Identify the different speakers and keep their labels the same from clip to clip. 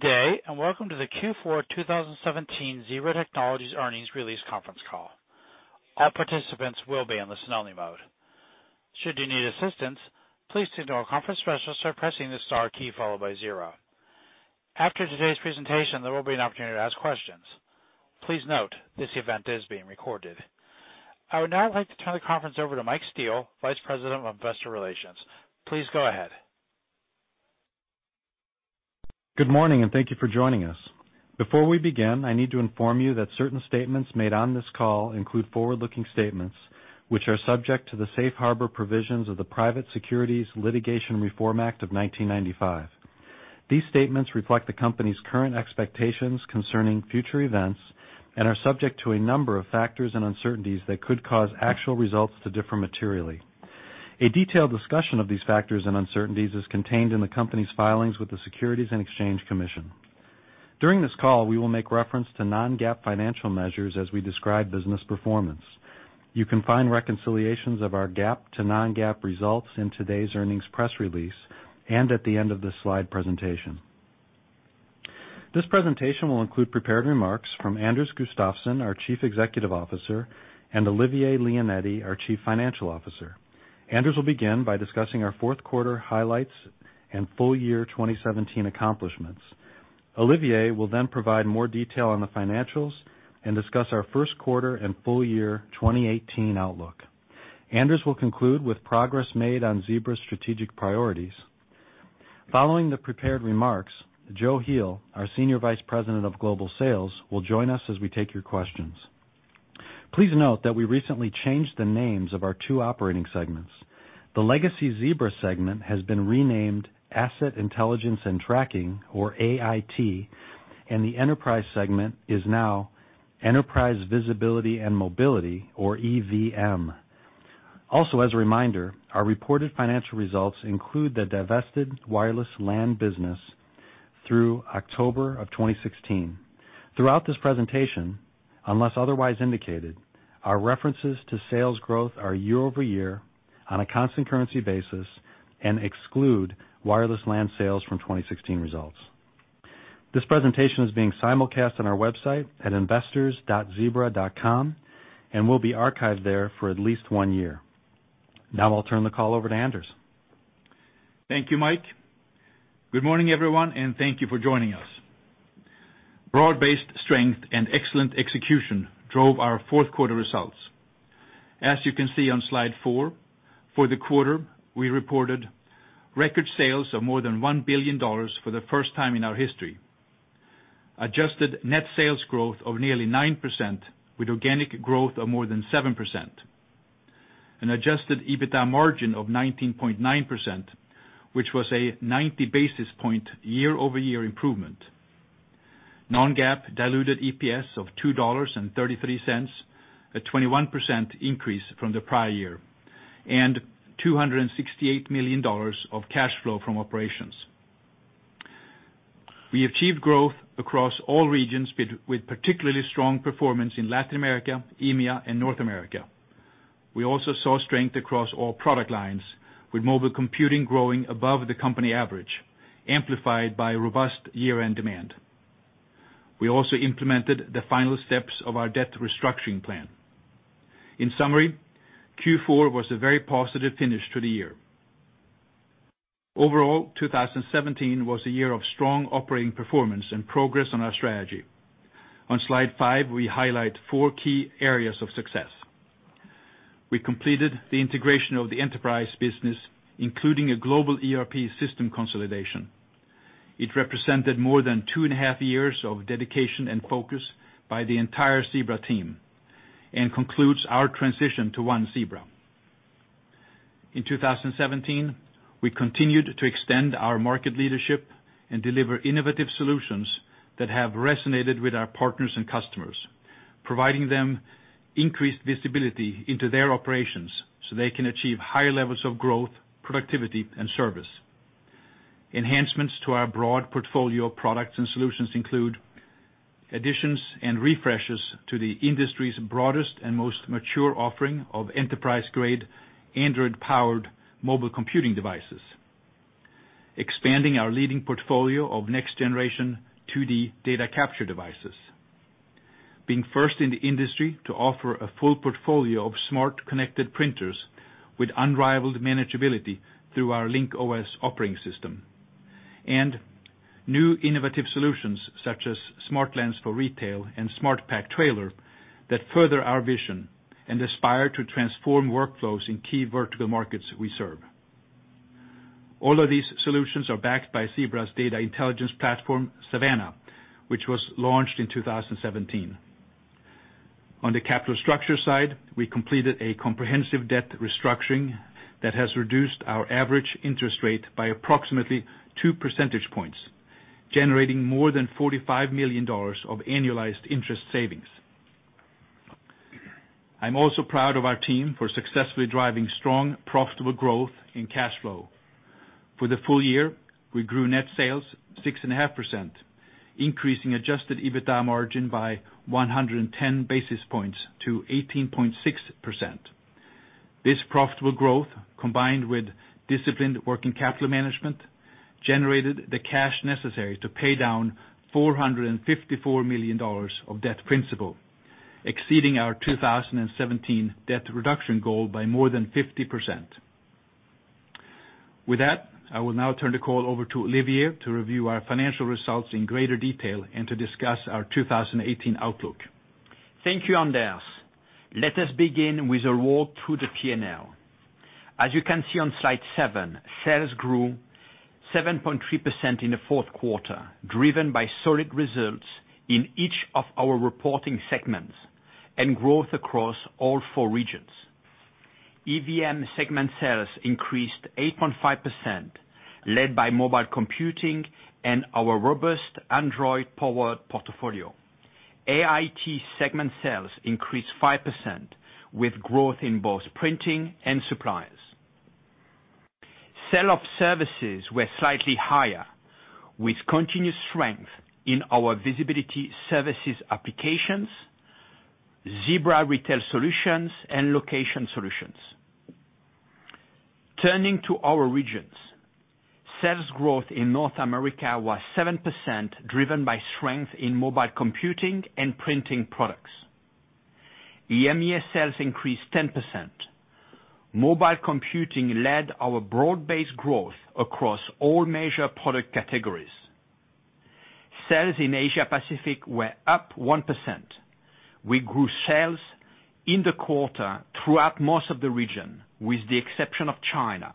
Speaker 1: Good day, welcome to the Q4 2017 Zebra Technologies earnings release conference call. All participants will be in listen only mode. Should you need assistance, please signal a conference specialist by pressing the star key followed by zero. After today's presentation, there will be an opportunity to ask questions. Please note, this event is being recorded. I would now like to turn the conference over to Mike Steele, Vice President of Investor Relations. Please go ahead.
Speaker 2: Good morning, thank you for joining us. Before we begin, I need to inform you that certain statements made on this call include forward-looking statements, which are subject to the safe harbor provisions of the Private Securities Litigation Reform Act of 1995. These statements reflect the company's current expectations concerning future events and are subject to a number of factors and uncertainties that could cause actual results to differ materially. A detailed discussion of these factors and uncertainties is contained in the company's filings with the Securities and Exchange Commission. During this call, we will make reference to non-GAAP financial measures as we describe business performance. You can find reconciliations of our GAAP to non-GAAP results in today's earnings press release and at the end of this slide presentation. This presentation will include prepared remarks from Anders Gustafsson, our Chief Executive Officer, and Olivier Leonetti, our Chief Financial Officer. Anders will begin by discussing our fourth quarter highlights and full year 2017 accomplishments. Olivier will provide more detail on the financials and discuss our first quarter and full year 2018 outlook. Anders will conclude with progress made on Zebra's strategic priorities. Following the prepared remarks, Joe Heel, our Senior Vice President of Global Sales, will join us as we take your questions. Please note that we recently changed the names of our two operating segments. The legacy Zebra segment has been renamed Asset Intelligence and Tracking, or AIT, and the enterprise segment is now Enterprise Visibility and Mobility, or EVM. As a reminder, our reported financial results include the divested wireless LAN business through October of 2016. Throughout this presentation, unless otherwise indicated, our references to sales growth are year-over-year on a constant currency basis and exclude wireless LAN sales from 2016 results. This presentation is being simulcast on our website at investors.zebra.com and will be archived there for at least one year. I'll turn the call over to Anders.
Speaker 3: Thank you, Mike. Good morning, everyone, and thank you for joining us. Broad-based strength and excellent execution drove our fourth quarter results. As you can see on slide four, for the quarter, we reported record sales of more than $1 billion for the first time in our history. Adjusted net sales growth of nearly 9% with organic growth of more than 7%. An adjusted EBITDA margin of 19.9%, which was a 90 basis point year-over-year improvement. non-GAAP diluted EPS of $2.33, a 21% increase from the prior year. $268 million of cash flow from operations. We achieved growth across all regions, with particularly strong performance in Latin America, EMEA, and North America. We also saw strength across all product lines, with mobile computing growing above the company average, amplified by robust year-end demand. We also implemented the final steps of our debt restructuring plan. In summary, Q4 was a very positive finish to the year. Overall, 2017 was a year of strong operating performance and progress on our strategy. On slide five, we highlight four key areas of success. We completed the integration of the enterprise business, including a global ERP system consolidation. It represented more than two and a half years of dedication and focus by the entire Zebra team and concludes our transition to one Zebra. In 2017, we continued to extend our market leadership and deliver innovative solutions that have resonated with our partners and customers, providing them increased visibility into their operations so they can achieve higher levels of growth, productivity, and service. Enhancements to our broad portfolio of products and solutions include additions and refreshes to the industry's broadest and most mature offering of enterprise-grade Android-powered mobile computing devices. Expanding our leading portfolio of next generation 2D data capture devices. Being first in the industry to offer a full portfolio of smart connected printers with unrivaled manageability through our Link-OS operating system. New innovative solutions such as SmartLens for retail and SmartPack Trailer that further our vision and aspire to transform workflows in key vertical markets we serve. All of these solutions are backed by Zebra's data intelligence platform, Savanna, which was launched in 2017. On the capital structure side, we completed a comprehensive debt restructuring that has reduced our average interest rate by approximately two percentage points, generating more than $45 million of annualized interest savings. I'm also proud of our team for successfully driving strong, profitable growth in cash flow. For the full year, we grew net sales 6.5%, increasing adjusted EBITDA margin by 110 basis points to 18.6%. This profitable growth, combined with disciplined working capital management, generated the cash necessary to pay down $454 million of debt principal, exceeding our 2017 debt reduction goal by more than 50%. With that, I will now turn the call over to Olivier to review our financial results in greater detail and to discuss our 2018 outlook.
Speaker 4: Thank you, Anders. Let us begin with a walk through the P&L. As you can see on slide seven, sales grew 7.3% in the fourth quarter, driven by solid results in each of our reporting segments and growth across all four regions. EVM segment sales increased 8.5%, led by mobile computing and our robust Android-powered portfolio. AIT segment sales increased 5%, with growth in both printing and supplies. Sell-off services were slightly higher, with continued strength in our visibility services applications, Zebra Retail Solutions, and location solutions. Turning to our regions, sales growth in North America was 7%, driven by strength in mobile computing and printing products. EMEA sales increased 10%. Mobile computing led our broad-based growth across all major product categories. Sales in Asia Pacific were up 1%. We grew sales in the quarter throughout most of the region, with the exception of China.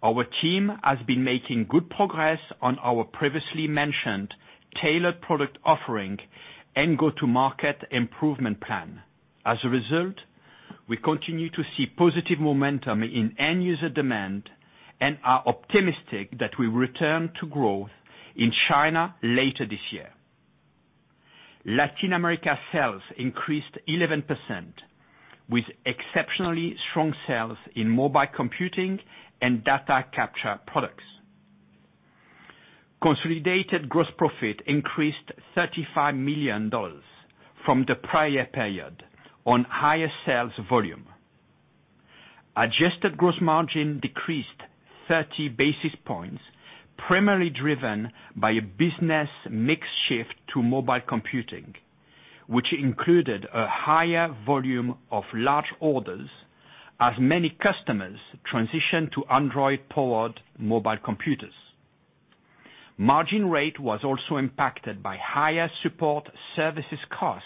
Speaker 4: Our team has been making good progress on our previously mentioned tailored product offering and go-to-market improvement plan. As a result, we continue to see positive momentum in end-user demand and are optimistic that we will return to growth in China later this year. Latin America sales increased 11%, with exceptionally strong sales in mobile computing and data capture products. Consolidated gross profit increased $35 million from the prior period on higher sales volume. Adjusted gross margin decreased 30 basis points, primarily driven by a business mix shift to mobile computing, which included a higher volume of large orders as many customers transitioned to Android-powered mobile computers. Margin rate was also impacted by higher support services cost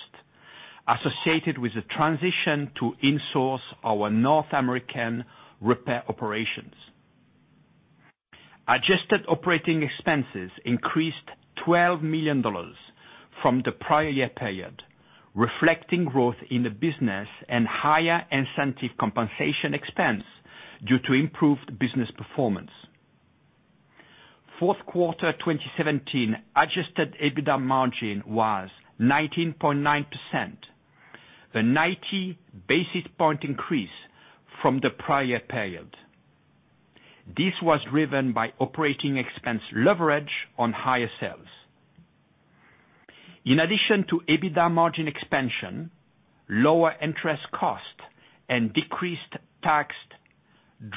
Speaker 4: associated with the transition to insource our North American repair operations. Adjusted operating expenses increased $12 million from the prior year period, reflecting growth in the business and higher incentive compensation expense due to improved business performance. Fourth quarter 2017 adjusted EBITDA margin was 19.9%, a 90 basis point increase from the prior period. This was driven by operating expense leverage on higher sales. In addition to EBITDA margin expansion, lower interest cost and decreased tax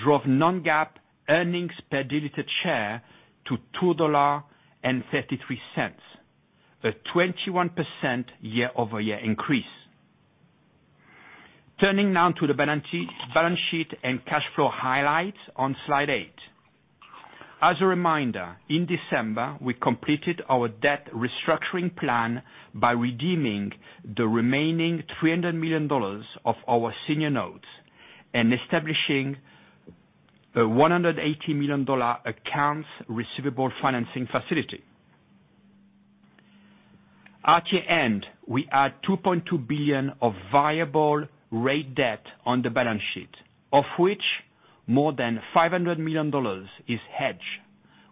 Speaker 4: drove non-GAAP earnings per diluted share to $2.33, a 21% year-over-year increase. Turning now to the balance sheet and cash flow highlights on Slide 8. As a reminder, in December, we completed our debt restructuring plan by redeeming the remaining $300 million of our senior notes and establishing a $180 million accounts receivable financing facility. At year-end, we had $2.2 billion of variable rate debt on the balance sheet, of which more than $500 million is hedged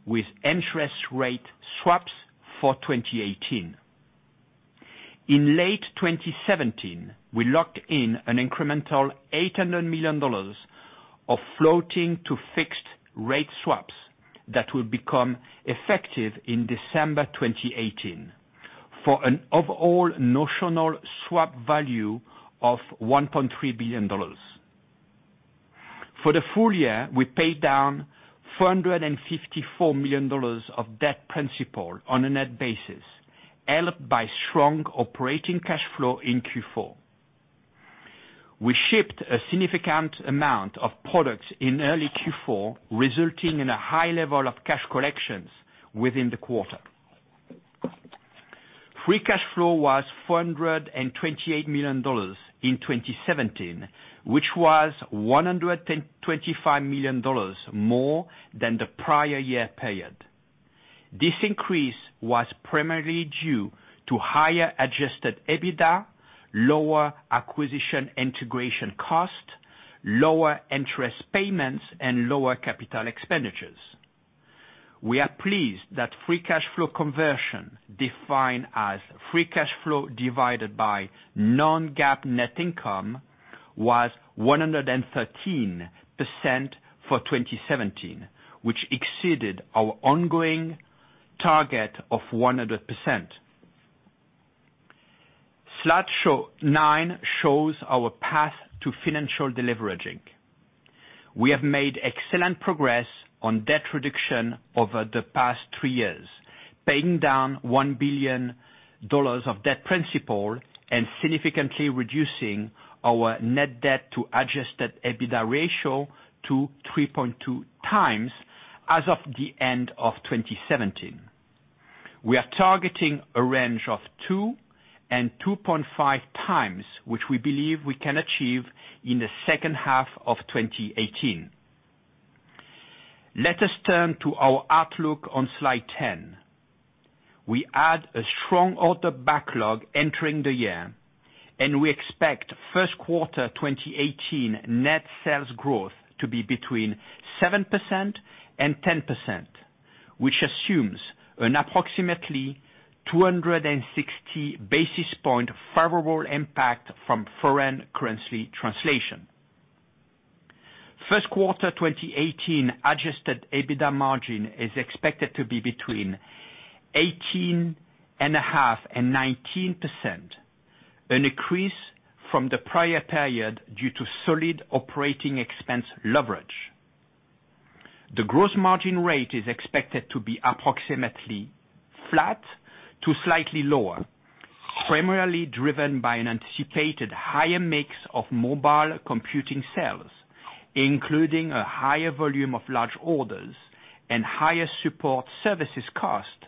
Speaker 4: with interest rate swaps for 2018. In late 2017, we locked in an incremental $800 million of floating to fixed rate swaps that will become effective in December 2018 for an overall notional swap value of $1.3 billion. For the full year, we paid down $454 million of debt principal on a net basis, helped by strong operating cash flow in Q4. We shipped a significant amount of products in early Q4, resulting in a high level of cash collections within the quarter. Free cash flow was $428 million in 2017, which was $125 million more than the prior year period. This increase was primarily due to higher adjusted EBITDA, lower acquisition integration cost, lower interest payments, and lower capital expenditures. We are pleased that free cash flow conversion, defined as free cash flow divided by non-GAAP net income, was 113% for 2017, which exceeded our ongoing target of 100%. Slide nine shows our path to financial deleveraging. We have made excellent progress on debt reduction over the past three years, paying down $1 billion of debt principal and significantly reducing our net debt to adjusted EBITDA ratio to 3.2 times as of the end of 2017. We are targeting a range of two and 2.5 times, which we believe we can achieve in the second half of 2018. Let us turn to our outlook on Slide 10. We had a strong order backlog entering the year, and we expect first quarter 2018 net sales growth to be between 7% and 10%, which assumes an approximately 260 basis point favorable impact from foreign currency translation. First quarter 2018 adjusted EBITDA margin is expected to be between 18.5% and 19%, an increase from the prior period due to solid operating expense leverage. The gross margin rate is expected to be approximately flat to slightly lower, primarily driven by an anticipated higher mix of mobile computing sales, including a higher volume of large orders and higher support services cost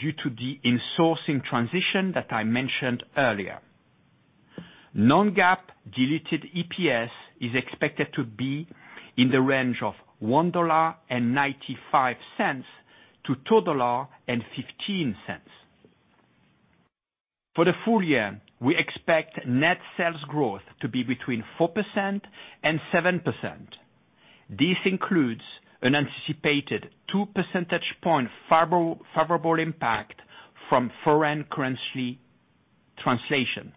Speaker 4: due to the insourcing transition that I mentioned earlier. non-GAAP diluted EPS is expected to be in the range of $1.95-$2.15. For the full year, we expect net sales growth to be between 4% and 7%. This includes an anticipated two percentage point favorable impact from foreign currency translation.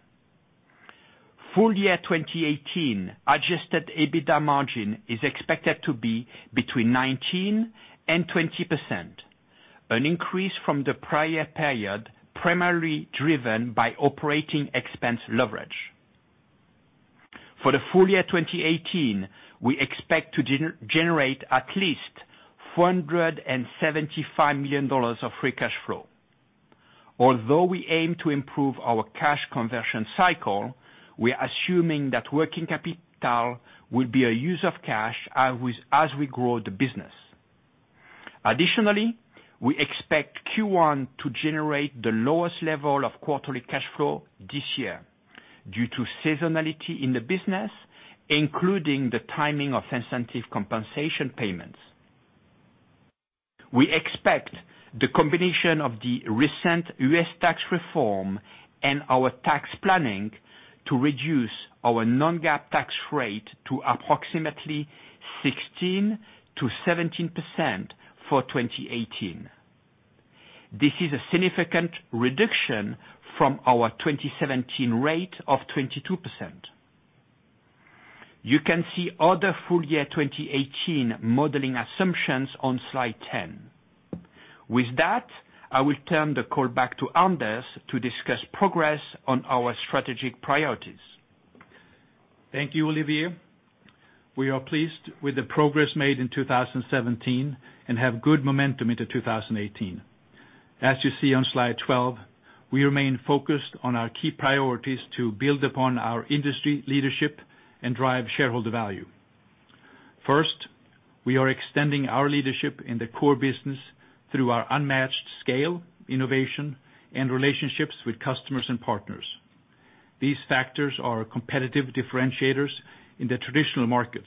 Speaker 4: Full year 2018 adjusted EBITDA margin is expected to be between 19% and 20%, an increase from the prior period, primarily driven by operating expense leverage. For the full year 2018, we expect to generate at least $475 million of free cash flow. Although we aim to improve our cash conversion cycle, we're assuming that working capital will be a use of cash as we grow the business. Additionally, we expect Q1 to generate the lowest level of quarterly cash flow this year due to seasonality in the business, including the timing of incentive compensation payments. We expect the combination of the recent U.S. tax reform and our tax planning to reduce our non-GAAP tax rate to approximately 16%-17% for 2018. This is a significant reduction from our 2017 rate of 22%. You can see other full year 2018 modeling assumptions on Slide 10. With that, I will turn the call back to Anders to discuss progress on our strategic priorities.
Speaker 3: Thank you, Olivier. We are pleased with the progress made in 2017 and have good momentum into 2018. As you see on Slide 12, we remain focused on our key priorities to build upon our industry leadership and drive shareholder value. First, we are extending our leadership in the core business through our unmatched scale, innovation, and relationships with customers and partners. These factors are competitive differentiators in the traditional markets,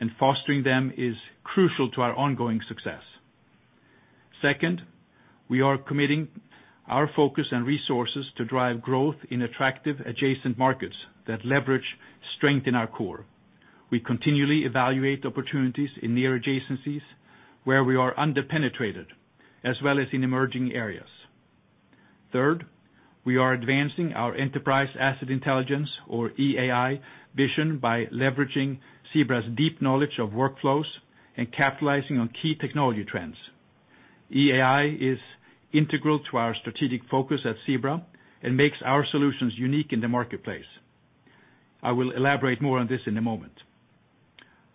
Speaker 3: and fostering them is crucial to our ongoing success. Second, we are committing our focus and resources to drive growth in attractive adjacent markets that leverage strength in our core. We continually evaluate opportunities in near adjacencies where we are under-penetrated, as well as in emerging areas. Third, we are advancing our Enterprise Asset Intelligence or EAI vision by leveraging Zebra's deep knowledge of workflows and capitalizing on key technology trends. EAI is integral to our strategic focus at Zebra and makes our solutions unique in the marketplace. I will elaborate more on this in a moment.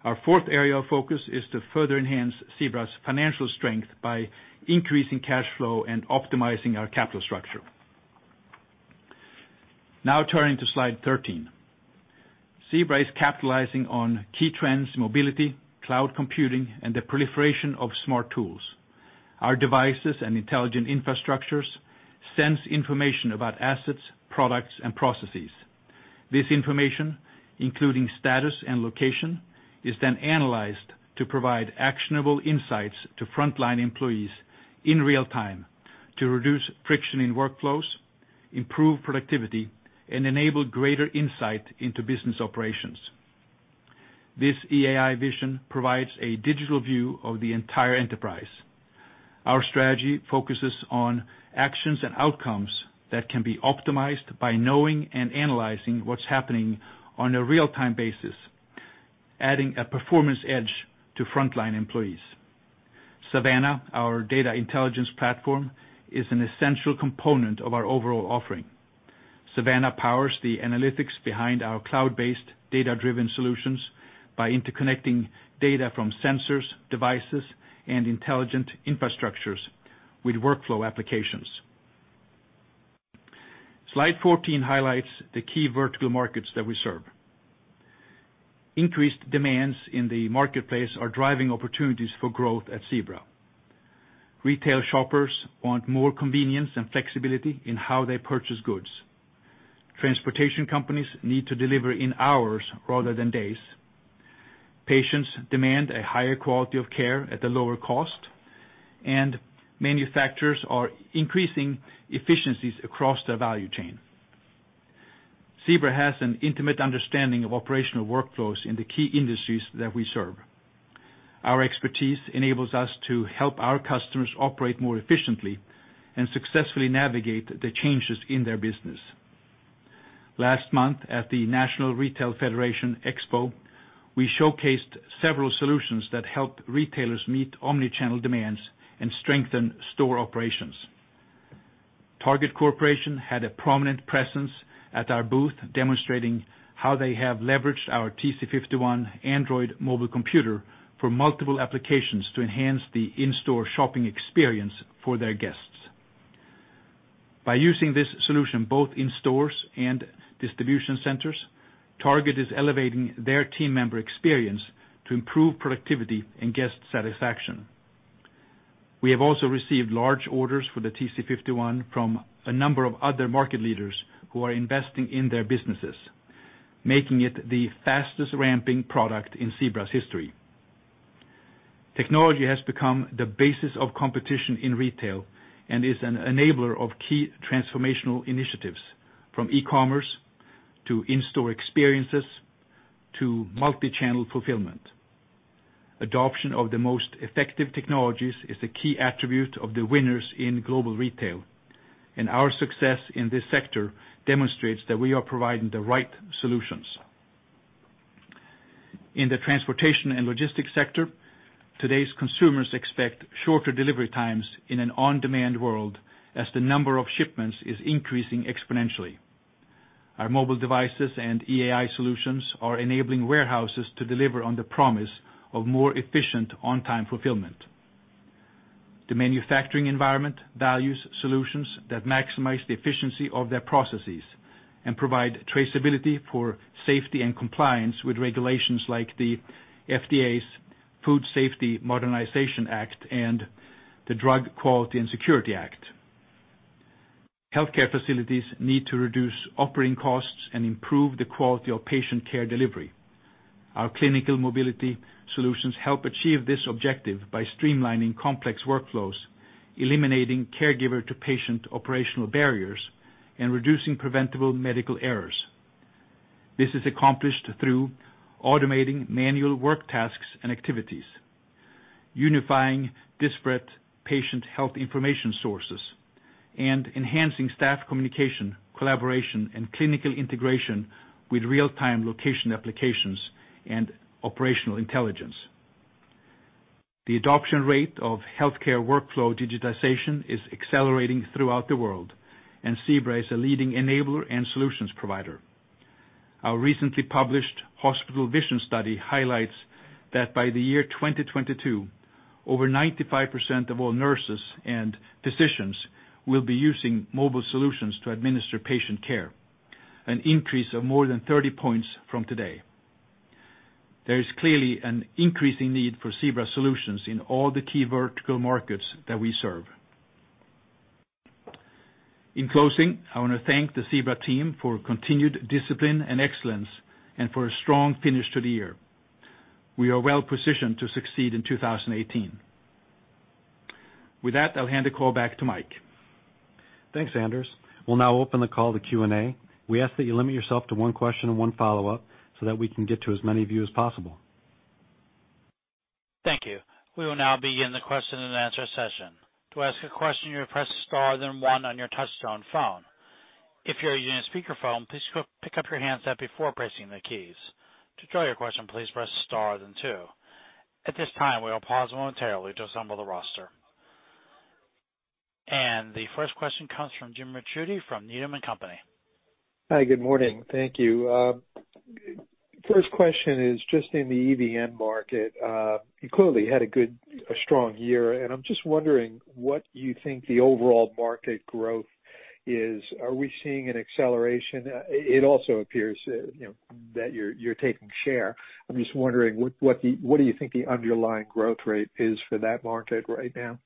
Speaker 3: Our fourth area of focus is to further enhance Zebra's financial strength by increasing cash flow and optimizing our capital structure. Turning to Slide 13, Zebra is capitalizing on key trends, mobility, cloud computing, and the proliferation of smart tools. Our devices and intelligent infrastructures sense information about assets, products, and processes. This information, including status and location, is then analyzed to provide actionable insights to frontline employees in real time to reduce friction in workflows, improve productivity, and enable greater insight into business operations. This EAI vision provides a digital view of the entire enterprise. Our strategy focuses on actions and outcomes that can be optimized by knowing and analyzing what's happening on a real-time basis, adding a performance edge to frontline employees. Savanna, our data intelligence platform, is an essential component of our overall offering. Savanna powers the analytics behind our cloud-based, data-driven solutions by interconnecting data from sensors, devices, and intelligent infrastructures with workflow applications. Slide 14 highlights the key vertical markets that we serve. Increased demands in the marketplace are driving opportunities for growth at Zebra. Retail shoppers want more convenience and flexibility in how they purchase goods. Transportation companies need to deliver in hours rather than days. Patients demand a higher quality of care at a lower cost. Manufacturers are increasing efficiencies across their value chain. Zebra has an intimate understanding of operational workflows in the key industries that we serve. Our expertise enables us to help our customers operate more efficiently and successfully navigate the changes in their business. Last month at the National Retail Federation Expo, we showcased several solutions that helped retailers meet omni-channel demands and strengthen store operations. Target Corporation had a prominent presence at our booth, demonstrating how they have leveraged our TC51 Android mobile computer for multiple applications to enhance the in-store shopping experience for their guests. By using this solution both in stores and distribution centers, Target is elevating their team member experience to improve productivity and guest satisfaction. We have also received large orders for the TC51 from a number of other market leaders who are investing in their businesses, making it the fastest ramping product in Zebra's history. Technology has become the basis of competition in retail and is an enabler of key transformational initiatives, from e-commerce, to in-store experiences, to multi-channel fulfillment. Adoption of the most effective technologies is a key attribute of the winners in global retail. Our success in this sector demonstrates that we are providing the right solutions. In the transportation and logistics sector, today's consumers expect shorter delivery times in an on-demand world as the number of shipments is increasing exponentially. Our mobile devices and EAI solutions are enabling warehouses to deliver on the promise of more efficient, on-time fulfillment. The manufacturing environment values solutions that maximize the efficiency of their processes and provide traceability for safety and compliance with regulations like the FDA's Food Safety Modernization Act and the Drug Quality and Security Act. Healthcare facilities need to reduce operating costs and improve the quality of patient care delivery. Our clinical mobility solutions help achieve this objective by streamlining complex workflows, eliminating caregiver to patient operational barriers, and reducing preventable medical errors. This is accomplished through automating manual work tasks and activities, unifying disparate patient health information sources, and enhancing staff communication, collaboration, and clinical integration with real-time location applications and operational intelligence. The adoption rate of healthcare workflow digitization is accelerating throughout the world, and Zebra is a leading enabler and solutions provider. Our recently published Hospital Vision Study highlights that by the year 2022, over 95% of all nurses and physicians will be using mobile solutions to administer patient care, an increase of more than 30 points from today. There is clearly an increasing need for Zebra solutions in all the key vertical markets that we serve. In closing, I want to thank the Zebra team for continued discipline and excellence and for a strong finish to the year. We are well positioned to succeed in 2018. With that, I'll hand the call back to Mike.
Speaker 2: Thanks, Anders. We'll now open the call to Q&A. We ask that you limit yourself to one question and one follow-up so that we can get to as many of you as possible.
Speaker 1: Thank you. We will now begin the question and answer session. To ask a question, you will press star then one on your touchtone phone. If you're using a speakerphone, please pick up your handset before pressing the keys. To withdraw your question, please press star then two. At this time, we will pause momentarily to assemble the roster. The first question comes from Jim Ricchiuti from Needham & Company.
Speaker 5: Hi, good morning. Thank you. First question is just in the EVM market. You clearly had a good, strong year. I'm just wondering what you think the overall market growth is. Are we seeing an acceleration? It also appears that you're taking share. I'm just wondering, what do you think the underlying growth rate is for that market right now?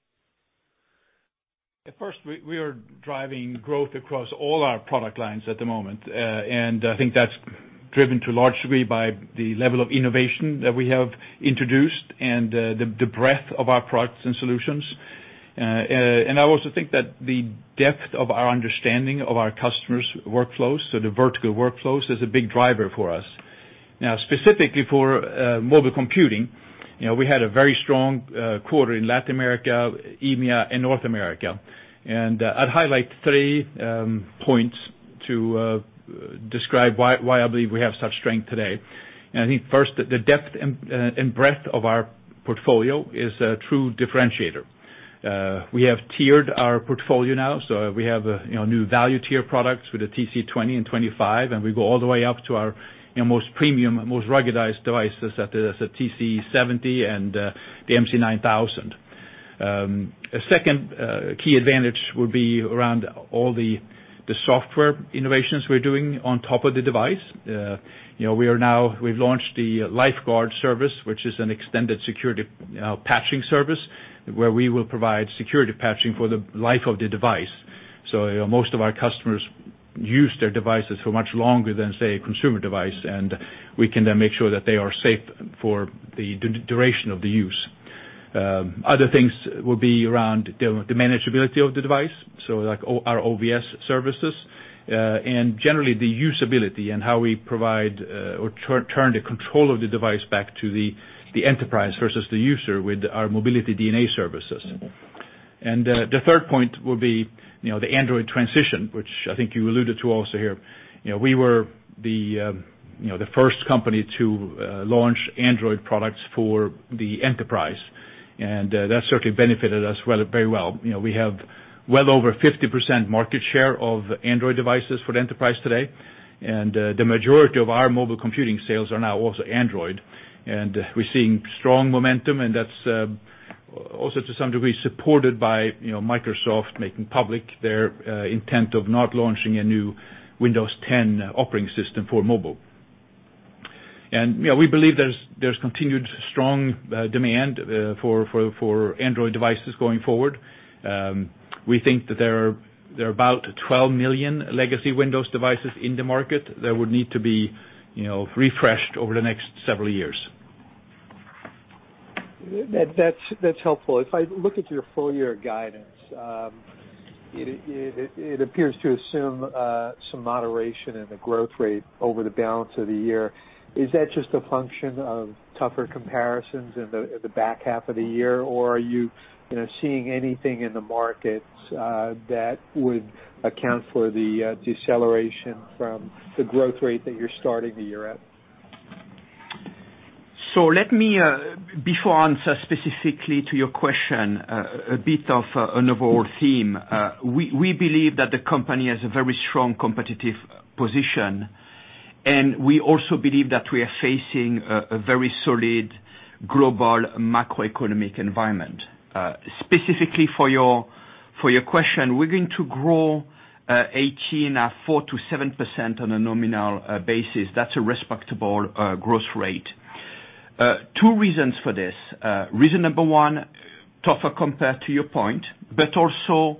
Speaker 3: At first, we are driving growth across all our product lines at the moment. I think that's driven to a large degree by the level of innovation that we have introduced and the breadth of our products and solutions. I also think that the depth of our understanding of our customers' workflows, so the vertical workflows, is a big driver for us. Now, specifically for mobile computing, we had a very strong quarter in Latin America, EMEA, and North America. I'd highlight three points to describe why I believe we have such strength today. I think first, the depth and breadth of our portfolio is a true differentiator. We have tiered our portfolio now, so we have new value tier products with the TC20 and 25, and we go all the way up to our most premium, most ruggedized devices, that is the TC70 and the MC9000. A second key advantage would be around all the software innovations we're doing on top of the device. We've launched the LifeGuard service, which is an extended security patching service, where we will provide security patching for the life of the device. Most of our customers use their devices for much longer than, say, a consumer device, and we can then make sure that they are safe for the duration of the use. Other things will be around the manageability of the device, so like our OVS services. Generally, the usability and how we provide or turn the control of the device back to the enterprise versus the user with our Mobility DNA services. The third point will be the Android transition, which I think you alluded to also here. We were the first company to launch Android products for the enterprise. That certainly benefited us very well. We have well over 50% market share of Android devices for the enterprise today. The majority of our mobile computing sales are now also Android. We're seeing strong momentum, and that's also to some degree, supported by Microsoft making public their intent of not launching a new Windows 10 operating system for mobile. We believe there's continued strong demand for Android devices going forward. We think that there are about 12 million legacy Windows devices in the market that would need to be refreshed over the next several years.
Speaker 5: That's helpful. If I look at your full-year guidance, it appears to assume some moderation in the growth rate over the balance of the year. Is that just a function of tougher comparisons in the back half of the year, or are you seeing anything in the markets that would account for the deceleration from the growth rate that you're starting the year at?
Speaker 4: Let me, before I answer specifically to your question, a bit of an overall theme. We believe that the company has a very strong competitive position, and we also believe that we are facing a very solid global macroeconomic environment. Specifically for your question, we're going to grow 2018 at 4%-7% on a nominal basis. That's a respectable growth rate. Two reasons for this. Reason number 1, tougher compare to your point, but also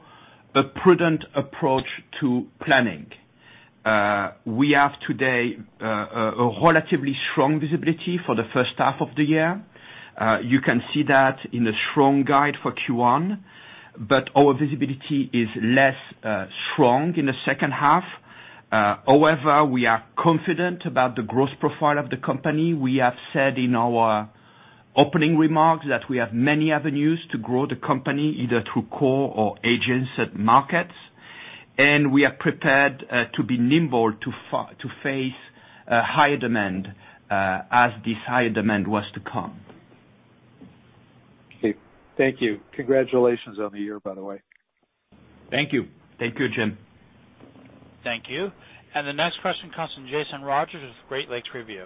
Speaker 4: a prudent approach to planning. We have today a relatively strong visibility for the first half of the year. You can see that in the strong guide for Q1. Our visibility is less strong in the second half. However, we are confident about the growth profile of the company. We have said in our opening remarks that we have many avenues to grow the company, either through core or adjacent markets, and we are prepared to be nimble to face higher demand as this higher demand was to come.
Speaker 5: Okay, thank you. Congratulations on the year, by the way.
Speaker 3: Thank you.
Speaker 4: Thank you, Jim.
Speaker 1: Thank you. The next question comes from Jason Rodgers with Great Lakes Review.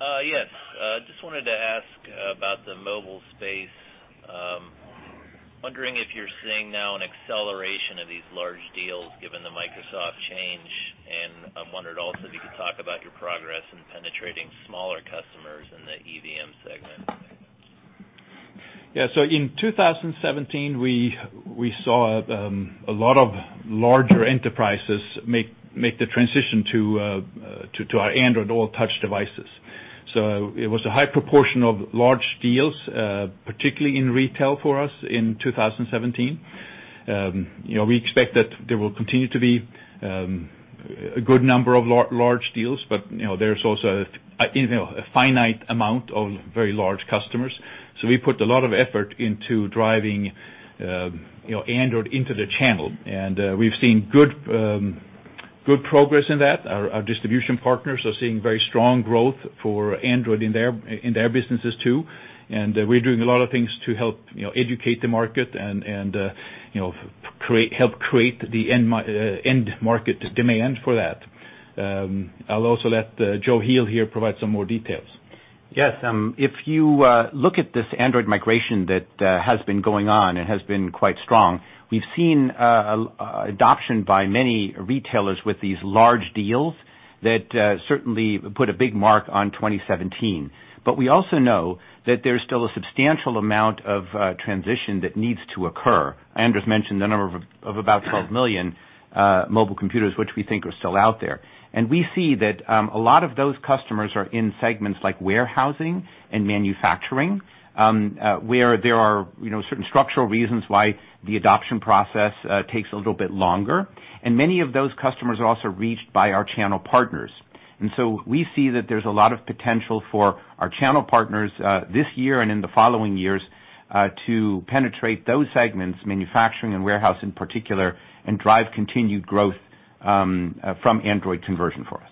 Speaker 6: Yes. Just wanted to ask about the mobile space. Wondering if you're seeing now an acceleration of these large deals given the Microsoft change, and I wondered also if you could talk about your progress in penetrating smaller customers in the EVM segment.
Speaker 3: Yeah. In 2017, we saw a lot of larger enterprises make the transition to our Android all-touch devices. It was a high proportion of large deals, particularly in retail for us in 2017. We expect that there will continue to be a good number of large deals, but there's also a finite amount of very large customers. We put a lot of effort into driving Android into the channel. We've seen good progress in that. Our distribution partners are seeing very strong growth for Android in their businesses too. We're doing a lot of things to help educate the market and help create the end market demand for that. I'll also let Joe Heel here provide some more details.
Speaker 7: Yes. If you look at this Android migration that has been going on and has been quite strong, we've seen adoption by many retailers with these large deals that certainly put a big mark on 2017. We also know that there's still a substantial amount of transition that needs to occur. Anders mentioned the number of about 12 million mobile computers, which we think are still out there. We see that a lot of those customers are in segments like warehousing and manufacturing, where there are certain structural reasons why the adoption process takes a little bit longer. Many of those customers are also reached by our channel partners. We see that there's a lot of potential for our channel partners this year and in the following years, to penetrate those segments, manufacturing and warehouse in particular, and drive continued growth from Android conversion for us.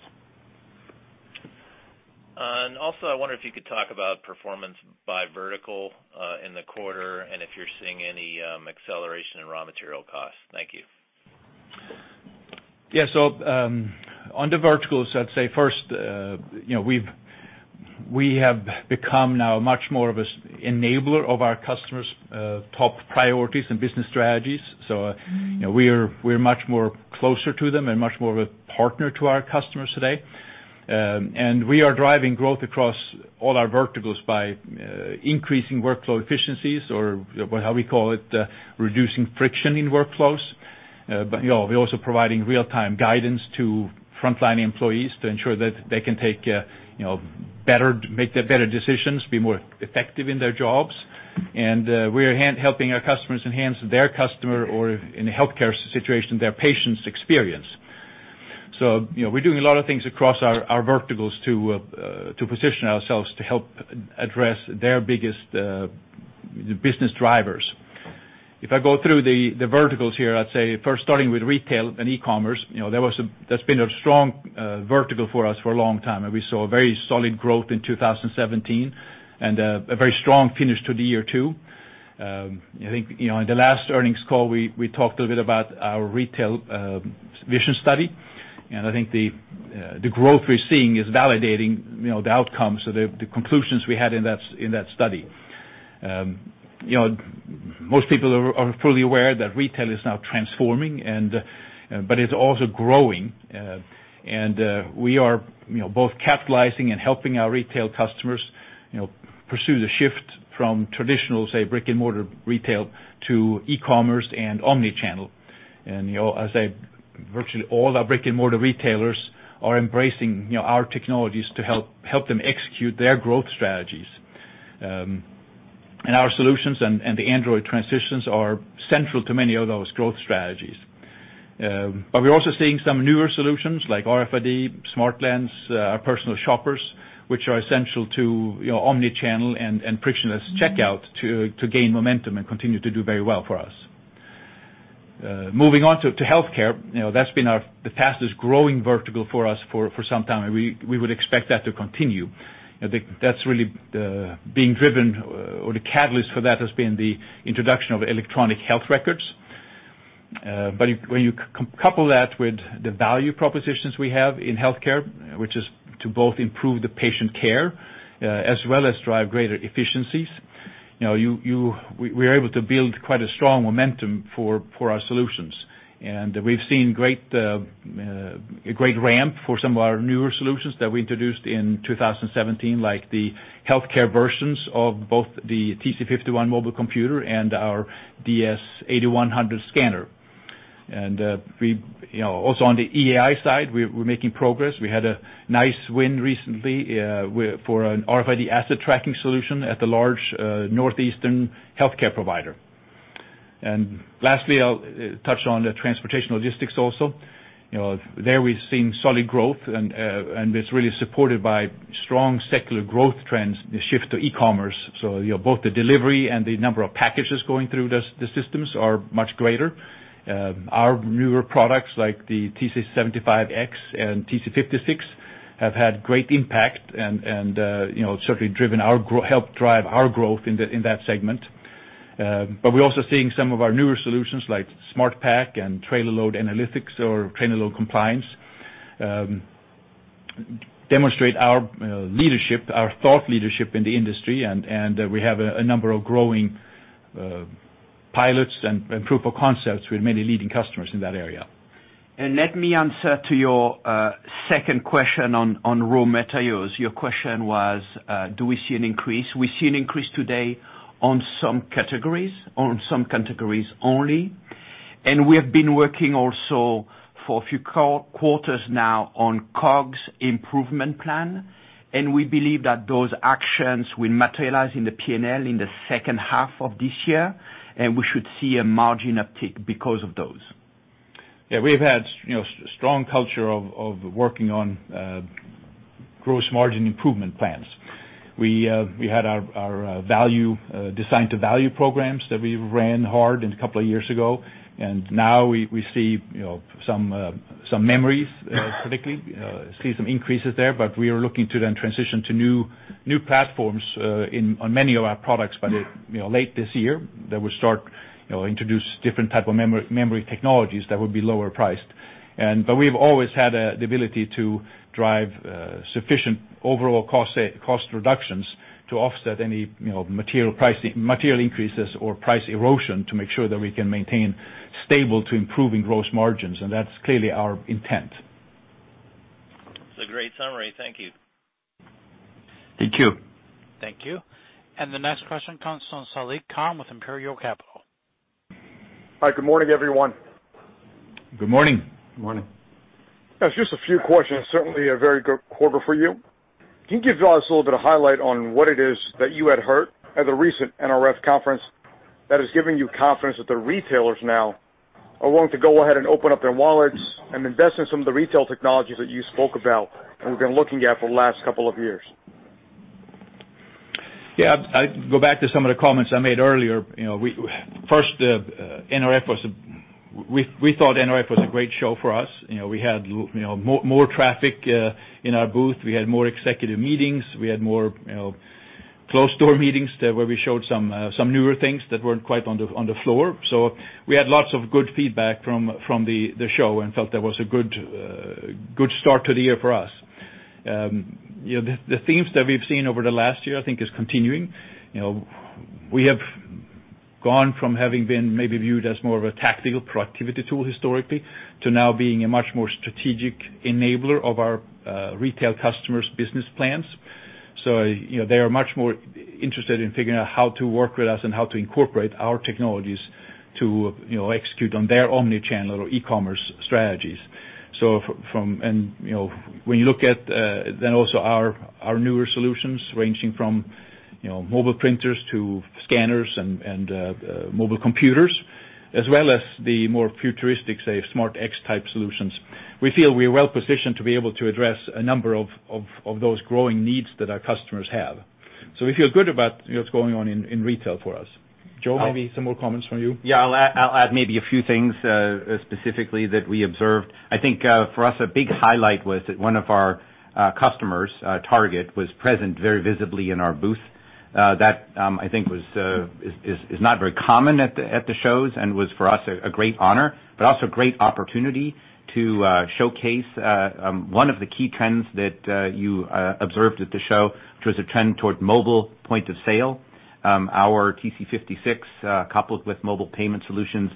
Speaker 6: Also, I wonder if you could talk about performance by vertical in the quarter, and if you're seeing any acceleration in raw material costs. Thank you.
Speaker 3: On the verticals, I'd say first, we have become now much more of an enabler of our customers' top priorities and business strategies. We're much more closer to them and much more of a partner to our customers today. We are driving growth across all our verticals by increasing workflow efficiencies or how we call it, reducing friction in workflows. We're also providing real-time guidance to front-line employees to ensure that they can make better decisions, be more effective in their jobs. We are helping our customers enhance their customer or in a healthcare situation, their patient's experience. We're doing a lot of things across our verticals to position ourselves to help address their biggest business drivers. If I go through the verticals here, I'd say first starting with retail and e-commerce, that's been a strong vertical for us for a long time, and we saw very solid growth in 2017 and a very strong finish to the year, too. I think, in the last earnings call, we talked a little bit about our retail vision study. I think the growth we're seeing is validating the outcomes, so the conclusions we had in that study. Most people are fully aware that retail is now transforming. It's also growing. We are both capitalizing and helping our retail customers pursue the shift from traditional, say, brick-and-mortar retail to e-commerce and omni-channel. I say virtually all our brick-and-mortar retailers are embracing our technologies to help them execute their growth strategies. Our solutions and the Android transitions are central to many of those growth strategies. We're also seeing some newer solutions like RFID, SmartLens, our personal shoppers, which are essential to omni-channel and frictionless checkout to gain momentum and continue to do very well for us. Moving on to healthcare, that's been the fastest growing vertical for us for some time. We would expect that to continue. I think that's really being driven, or the catalyst for that has been the introduction of electronic health records. When you couple that with the value propositions we have in healthcare, which is to both improve the patient care, as well as drive greater efficiencies, we are able to build quite a strong momentum for our solutions. We've seen a great ramp for some of our newer solutions that we introduced in 2017, like the healthcare versions of both the TC51 mobile computer and our DS8100 scanner. Also on the EAI side, we're making progress. We had a nice win recently for an RFID asset tracking solution at the large northeastern healthcare provider. Lastly, I'll touch on the transportation logistics also. There we've seen solid growth. It's really supported by strong secular growth trends, the shift to e-commerce. Both the delivery and the number of packages going through the systems are much greater. Our newer products, like the TC75X and TC56, have had great impact and certainly helped drive our growth in that segment. We're also seeing some of our newer solutions like SmartPack and Trailer Load Analytics or Trailer Load Compliance, demonstrate our thought leadership in the industry. We have a number of growing pilots and proof of concepts with many leading customers in that area.
Speaker 4: Let me answer to your second question on raw materials. Your question was, do we see an increase? We see an increase today on some categories, on some categories only. We have been working also for a few quarters now on COGS improvement plan, and we believe that those actions will materialize in the P&L in the second half of this year. We should see a margin uptick because of those.
Speaker 3: Yeah, we've had strong culture of working on gross margin improvement plans. We had our design to value programs that we ran hard a couple of years ago. Now we see some memories, particularly, see some increases there, but we are looking to then transition to new platforms on many of our products by late this year, that will start introduce different type of memory technologies that would be lower priced. We've always had the ability to drive sufficient overall cost reductions to offset any material increases or price erosion to make sure that we can maintain stable to improving gross margins. That's clearly our intent.
Speaker 6: It's a great summary. Thank you.
Speaker 4: Thank you.
Speaker 1: Thank you. The next question comes from Saliq Khan with Imperial Capital.
Speaker 8: Hi, good morning, everyone.
Speaker 3: Good morning.
Speaker 4: Good morning.
Speaker 8: Yes, just a few questions. Certainly, a very good quarter for you. Can you give us a little bit of highlight on what it is that you had heard at the recent NRF conference that is giving you confidence that the retailers now are willing to go ahead and open up their wallets and invest in some of the retail technologies that you spoke about and we've been looking at for the last couple of years?
Speaker 3: Yeah. I'd go back to some of the comments I made earlier. First, we thought NRF was a great show for us. We had more traffic in our booth. We had more executive meetings. We had more closed-door meetings where we showed some newer things that weren't quite on the floor. We had lots of good feedback from the show and felt that was a good start to the year for us. The themes that we've seen over the last year, I think, is continuing. We have gone from having been maybe viewed as more of a tactical productivity tool historically to now being a much more strategic enabler of our retail customers' business plans. They are much more interested in figuring out how to work with us and how to incorporate our technologies to execute on their omni-channel or e-commerce strategies. When you look at then also our newer solutions ranging from mobile printers to scanners and mobile computers, as well as the more futuristic, say, SmartX type solutions, we feel we are well-positioned to be able to address a number of those growing needs that our customers have. We feel good about what's going on in retail for us. Joe, maybe some more comments from you.
Speaker 7: Yeah. I'll add maybe a few things, specifically that we observed. I think, for us, a big highlight was that one of our customers, Target, was present very visibly in our booth. That, I think, is not very common at the shows, and was for us, a great honor, but also a great opportunity to showcase one of the key trends that you observed at the show, which was a trend toward mobile point of sale. Our TC56, coupled with mobile payment solutions,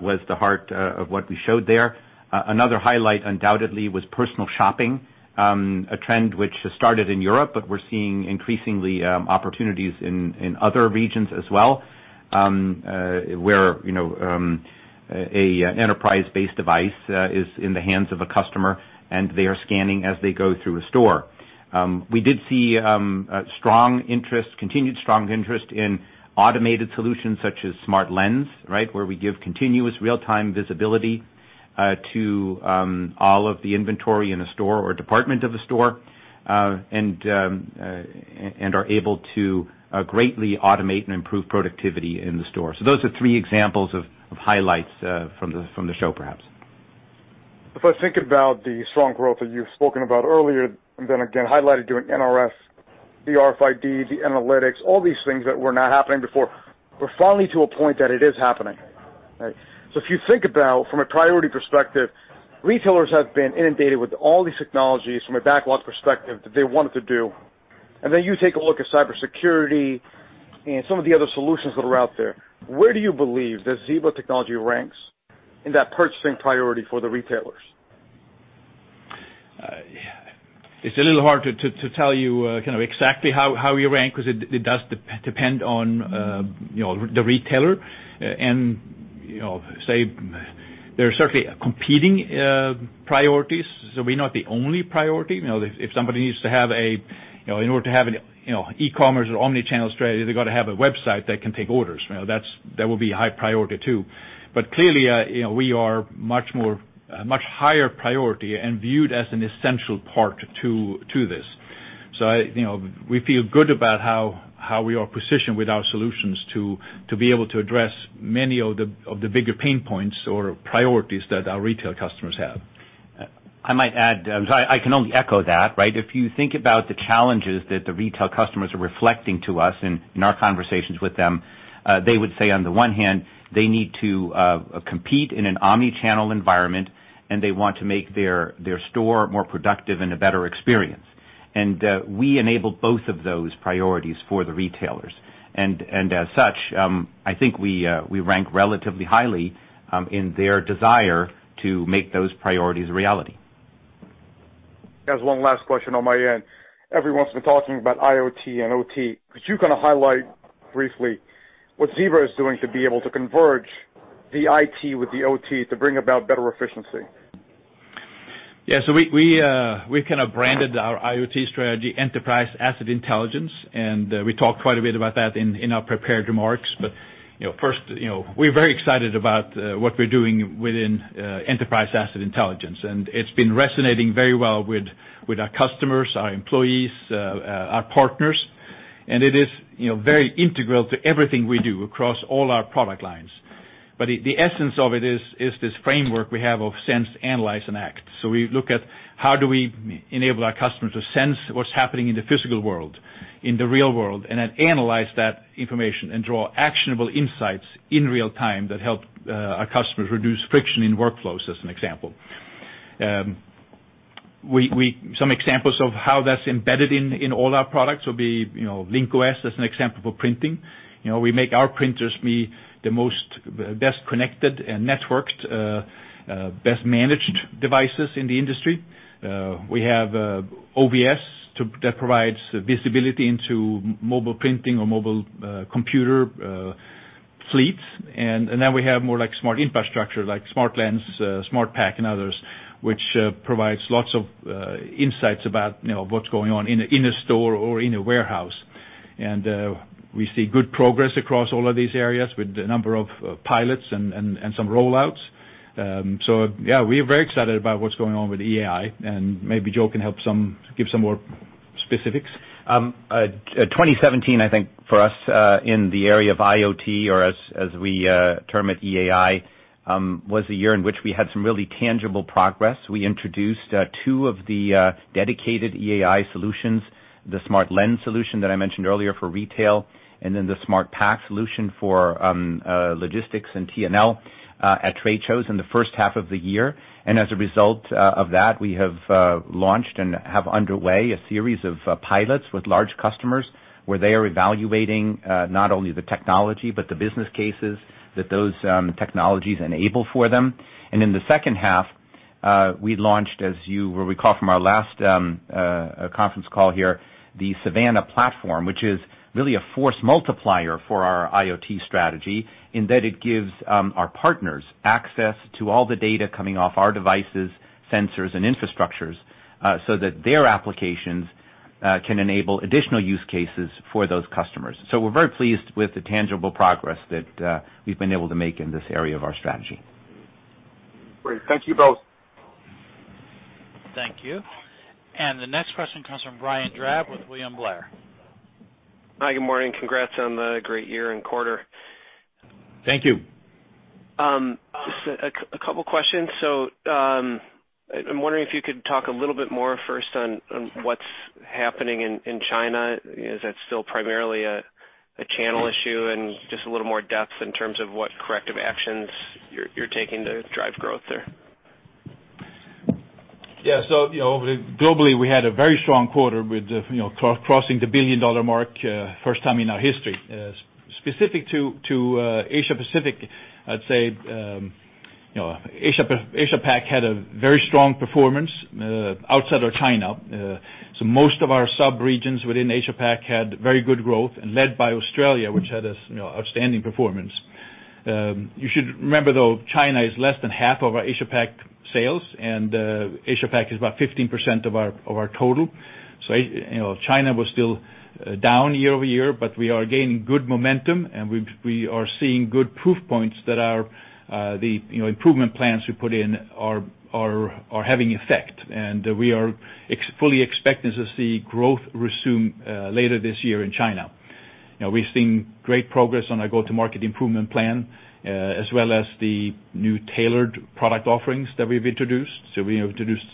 Speaker 7: was the heart of what we showed there. Another highlight undoubtedly was personal shopping, a trend which has started in Europe, but we're seeing increasingly opportunities in other regions as well, where an enterprise-based device is in the hands of a customer, and they are scanning as they go through a store. We did see continued strong interest in automated solutions such as SmartLens, where we give continuous real-time visibility to all of the inventory in a store or department of a store, and are able to greatly automate and improve productivity in the store. Those are three examples of highlights from the show, perhaps.
Speaker 8: If I think about the strong growth that you've spoken about earlier, and then again highlighted during NRF, the RFID, the analytics, all these things that were not happening before, we're finally to a point that it is happening, right? If you think about from a priority perspective, retailers have been inundated with all these technologies from a backlog perspective that they wanted to do, and then you take a look at cybersecurity and some of the other solutions that are out there. Where do you believe the Zebra technology ranks in that purchasing priority for the retailers?
Speaker 3: It's a little hard to tell you kind of exactly how we rank, because it does depend on the retailer, and say there are certainly competing priorities. We're not the only priority. If somebody needs to have a, in order to have an e-commerce or omni-channel strategy, they got to have a website that can take orders. That will be a high priority, too. Clearly, we are much higher priority and viewed as an essential part to this. We feel good about how we are positioned with our solutions to be able to address many of the bigger pain points or priorities that our retail customers have.
Speaker 7: I might add, I can only echo that, right? If you think about the challenges that the retail customers are reflecting to us in our conversations with them, they would say, on the one hand, they need to compete in an omni-channel environment, and they want to make their store more productive and a better experience. We enable both of those priorities for the retailers. As such, I think we rank relatively highly in their desire to make those priorities a reality.
Speaker 8: I guess one last question on my end. Everyone's been talking about IoT and OT. Could you kind of highlight briefly what Zebra is doing to be able to converge the IT with the OT to bring about better efficiency?
Speaker 3: Yeah. We kind of branded our IoT strategy, Enterprise Asset Intelligence, and we talked quite a bit about that in our prepared remarks. First, we're very excited about what we're doing within Enterprise Asset Intelligence, and it's been resonating very well with our customers, our employees, our partners, and it is very integral to everything we do across all our product lines. The essence of it is this framework we have of sense, analyze, and act. We look at how do we enable our customers to sense what's happening in the physical world, in the real world, then analyze that information and draw actionable insights in real time that help our customers reduce friction in workflows, as an example. Some examples of how that's embedded in all our products would be Link-OS as an example for printing. We make our printers be the best connected and networked, best managed devices in the industry. We have OVS that provides visibility into mobile printing or mobile computer fleets, then we have more smart infrastructure like SmartLens, SmartPack, and others, which provides lots of insights about what's going on in a store or in a warehouse. We see good progress across all of these areas with a number of pilots and some rollouts. Yeah, we are very excited about what's going on with EAI, maybe Joe can help give some more specifics.
Speaker 7: 2017, I think, for us, in the area of IoT or as we term it, EAI, was a year in which we had some really tangible progress. We introduced two of the dedicated EAI solutions, the SmartLens solution that I mentioned earlier for retail, then the SmartPack solution for logistics and T&L at trade shows in the first half of the year. As a result of that, we have launched and have underway a series of pilots with large customers where they are evaluating not only the technology but the business cases that those technologies enable for them. In the second half, we launched, as you will recall from our last conference call here, the Savanna platform, which is really a force multiplier for our IoT strategy in that it gives our partners access to all the data coming off our devices, sensors, and infrastructures, so that their applications can enable additional use cases for those customers. We're very pleased with the tangible progress that we've been able to make in this area of our strategy.
Speaker 8: Great. Thank you both.
Speaker 1: Thank you. The next question comes from Brian Drab with William Blair.
Speaker 9: Hi, good morning. Congrats on the great year and quarter.
Speaker 3: Thank you.
Speaker 9: Just a couple of questions. I'm wondering if you could talk a little bit more first on what's happening in China. Is that still primarily a channel issue? Just a little more depth in terms of what corrective actions you're taking to drive growth there.
Speaker 3: Globally, we had a very strong quarter with crossing the billion-dollar mark, first time in our history. Specific to Asia Pacific, I'd say Asia Pac had a very strong performance outside of China. Most of our sub-regions within Asia Pac had very good growth and led by Australia, which had outstanding performance. You should remember, though, China is less than half of our Asia Pac sales, and Asia Pac is about 15% of our total. China was still down year-over-year, but we are gaining good momentum, and we are seeing good proof points that the improvement plans we put in are having effect. We are fully expecting to see growth resume later this year in China. We've seen great progress on our go-to-market improvement plan, as well as the new tailored product offerings that we've introduced. We introduced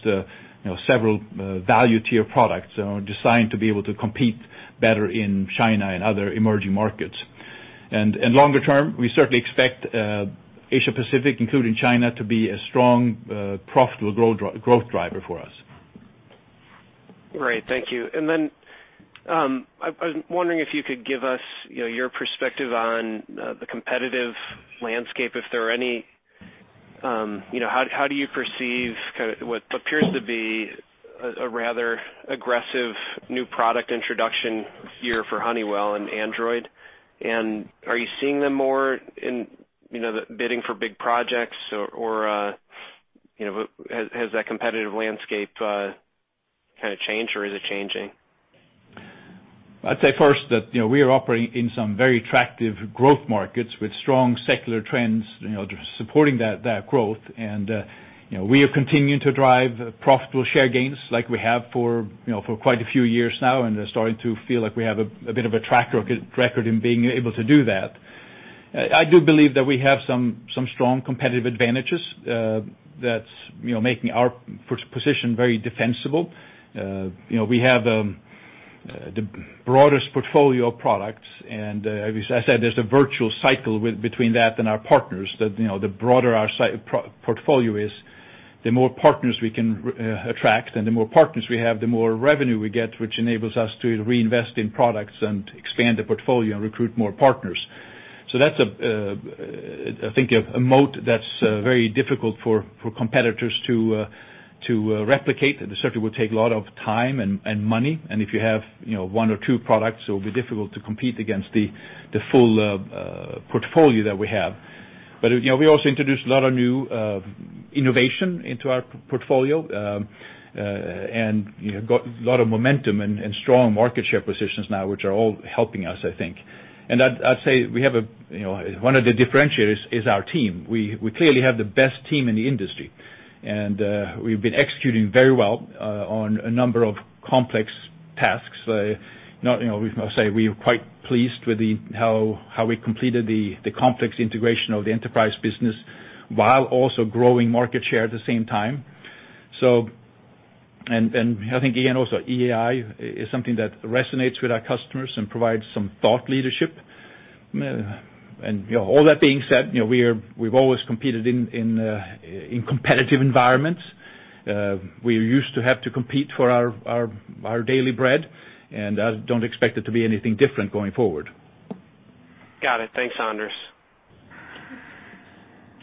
Speaker 3: several value-tier products designed to be able to compete better in China and other emerging markets. Longer term, we certainly expect Asia Pacific, including China, to be a strong, profitable growth driver for us.
Speaker 9: Great. Thank you. Then, I was wondering if you could give us your perspective on the competitive landscape, how do you perceive what appears to be a rather aggressive new product introduction year for Honeywell and Android? Are you seeing them more in the bidding for big projects, or has that competitive landscape changed, or is it changing?
Speaker 3: I'd say first that we are operating in some very attractive growth markets with strong secular trends supporting that growth. We have continued to drive profitable share gains like we have for quite a few years now, they're starting to feel like we have a bit of a track record in being able to do that. I do believe that we have some strong competitive advantages that's making our position very defensible. We have the broadest portfolio of products, as I said, there's a virtual cycle between that and our partners, that the broader our portfolio is, the more partners we can attract. The more partners we have, the more revenue we get, which enables us to reinvest in products and expand the portfolio and recruit more partners. That's, I think, a moat that's very difficult for competitors to replicate. It certainly will take a lot of time and money. If you have one or two products, it will be difficult to compete against the full portfolio that we have. We also introduced a lot of new innovation into our portfolio, got a lot of momentum and strong market share positions now, which are all helping us, I think. I'd say one of the differentiators is our team. We clearly have the best team in the industry, we've been executing very well on a number of complex tasks. I'll say we are quite pleased with how we completed the complex integration of the enterprise business while also growing market share at the same time. I think, again, also EAI is something that resonates with our customers and provides some thought leadership. All that being said, we've always competed in competitive environments. We used to have to compete for our daily bread, I don't expect it to be anything different going forward.
Speaker 9: Got it. Thanks, Anders.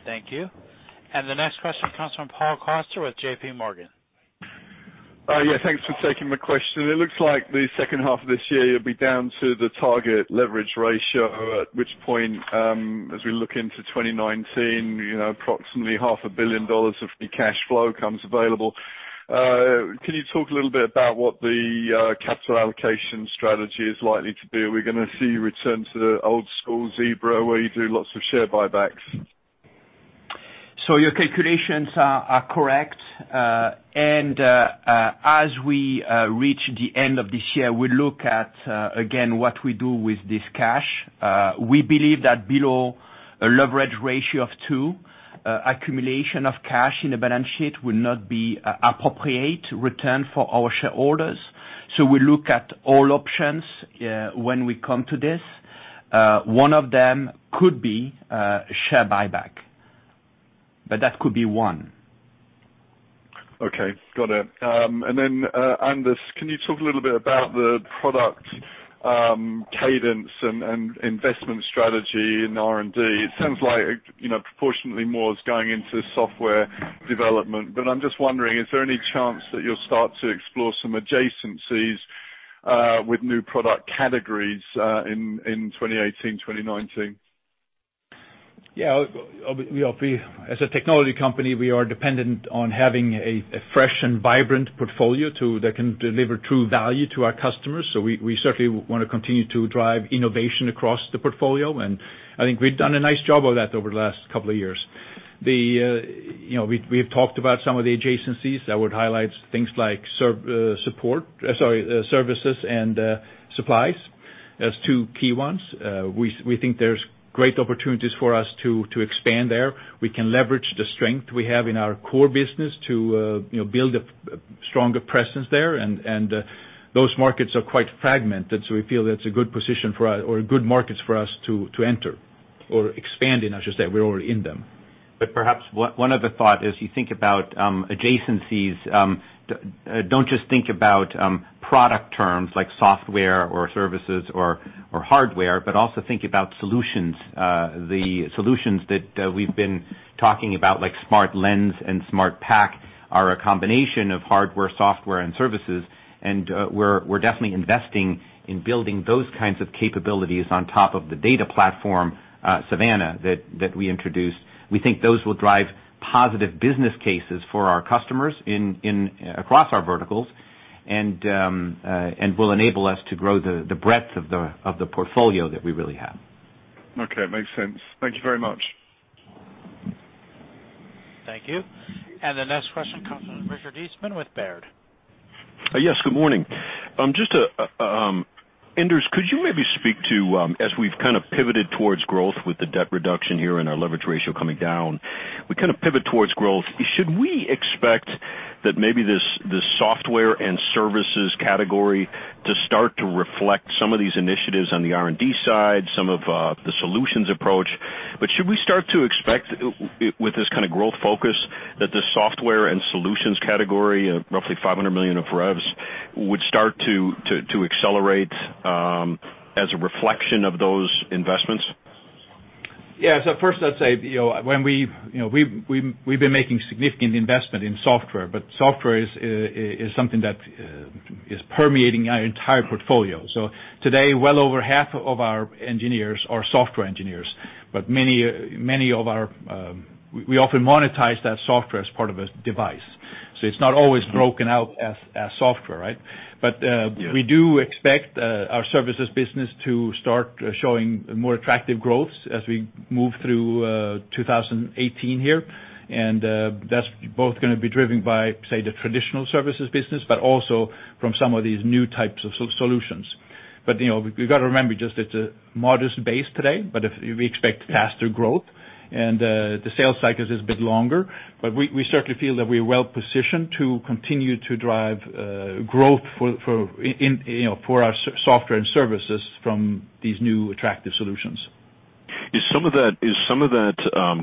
Speaker 1: Thank you. The next question comes from Paul Coster with J.P. Morgan.
Speaker 10: Thanks for taking my question. It looks like the second half of this year, you'll be down to the target leverage ratio, at which point, as we look into 2019, approximately half a billion dollars of free cash flow becomes available. Can you talk a little bit about what the capital allocation strategy is likely to be? Are we going to see a return to the old school Zebra, where you do lots of share buybacks?
Speaker 4: Your calculations are correct. As we reach the end of this year, we look at, again, what we do with this cash. We believe that below a leverage ratio of 2, accumulation of cash in the balance sheet will not be appropriate return for our shareholders. We look at all options when we come to this. One of them could be share buyback, but that could be one.
Speaker 10: Got it. Anders, can you talk a little bit about the product cadence and investment strategy in R&D? It sounds like proportionately more is going into software development, but I'm just wondering, is there any chance that you'll start to explore some adjacencies with new product categories in 2018, 2019?
Speaker 3: Yeah. As a technology company, we are dependent on having a fresh and vibrant portfolio that can deliver true value to our customers. We certainly want to continue to drive innovation across the portfolio, and I think we've done a nice job of that over the last couple of years. We've talked about some of the adjacencies that would highlight things like services and supplies as two key ones. We think there's great opportunities for us to expand there. We can leverage the strength we have in our core business to build a stronger presence there. Those markets are quite fragmented, so we feel that's good markets for us to enter or expand in, I should say. We're already in them.
Speaker 7: Perhaps one other thought as you think about adjacencies, don't just think about product terms like software or services or hardware, but also think about solutions. The solutions that we've been talking about, like SmartLens and SmartPack are a combination of hardware, software, and services. We're definitely investing in building those kinds of capabilities on top of the data platform, Savanna, that we introduced. We think those will drive positive business cases for our customers across our verticals and will enable us to grow the breadth of the portfolio that we really have.
Speaker 10: Okay. Makes sense. Thank you very much.
Speaker 1: Thank you. The next question comes from Richard Eastman with Baird.
Speaker 11: Yes, good morning. Just, Anders, could you maybe speak to, as we've kind of pivoted towards growth with the debt reduction here and our leverage ratio coming down, we kind of pivot towards growth. Should we expect that maybe this software and services category to start to reflect some of these initiatives on the R&D side, some of the solutions approach, but should we start to expect with this kind of growth focus that the software and solutions category, roughly $500 million of revs, would start to accelerate as a reflection of those investments?
Speaker 3: Yeah. First I'd say we've been making significant investment in software, but software is something that is permeating our entire portfolio. Today, well over half of our engineers are software engineers. We often monetize that software as part of a device. It's not always broken out as software, right?
Speaker 11: Yeah.
Speaker 3: We do expect our services business to start showing more attractive growth as we move through 2018 here. That's both going to be driven by, say, the traditional services business, but also from some of these new types of solutions. We got to remember just it's a modest base today, but we expect faster growth and the sales cycle is a bit longer, but we certainly feel that we're well positioned to continue to drive growth for our software and services from these new attractive solutions.
Speaker 11: Is some of that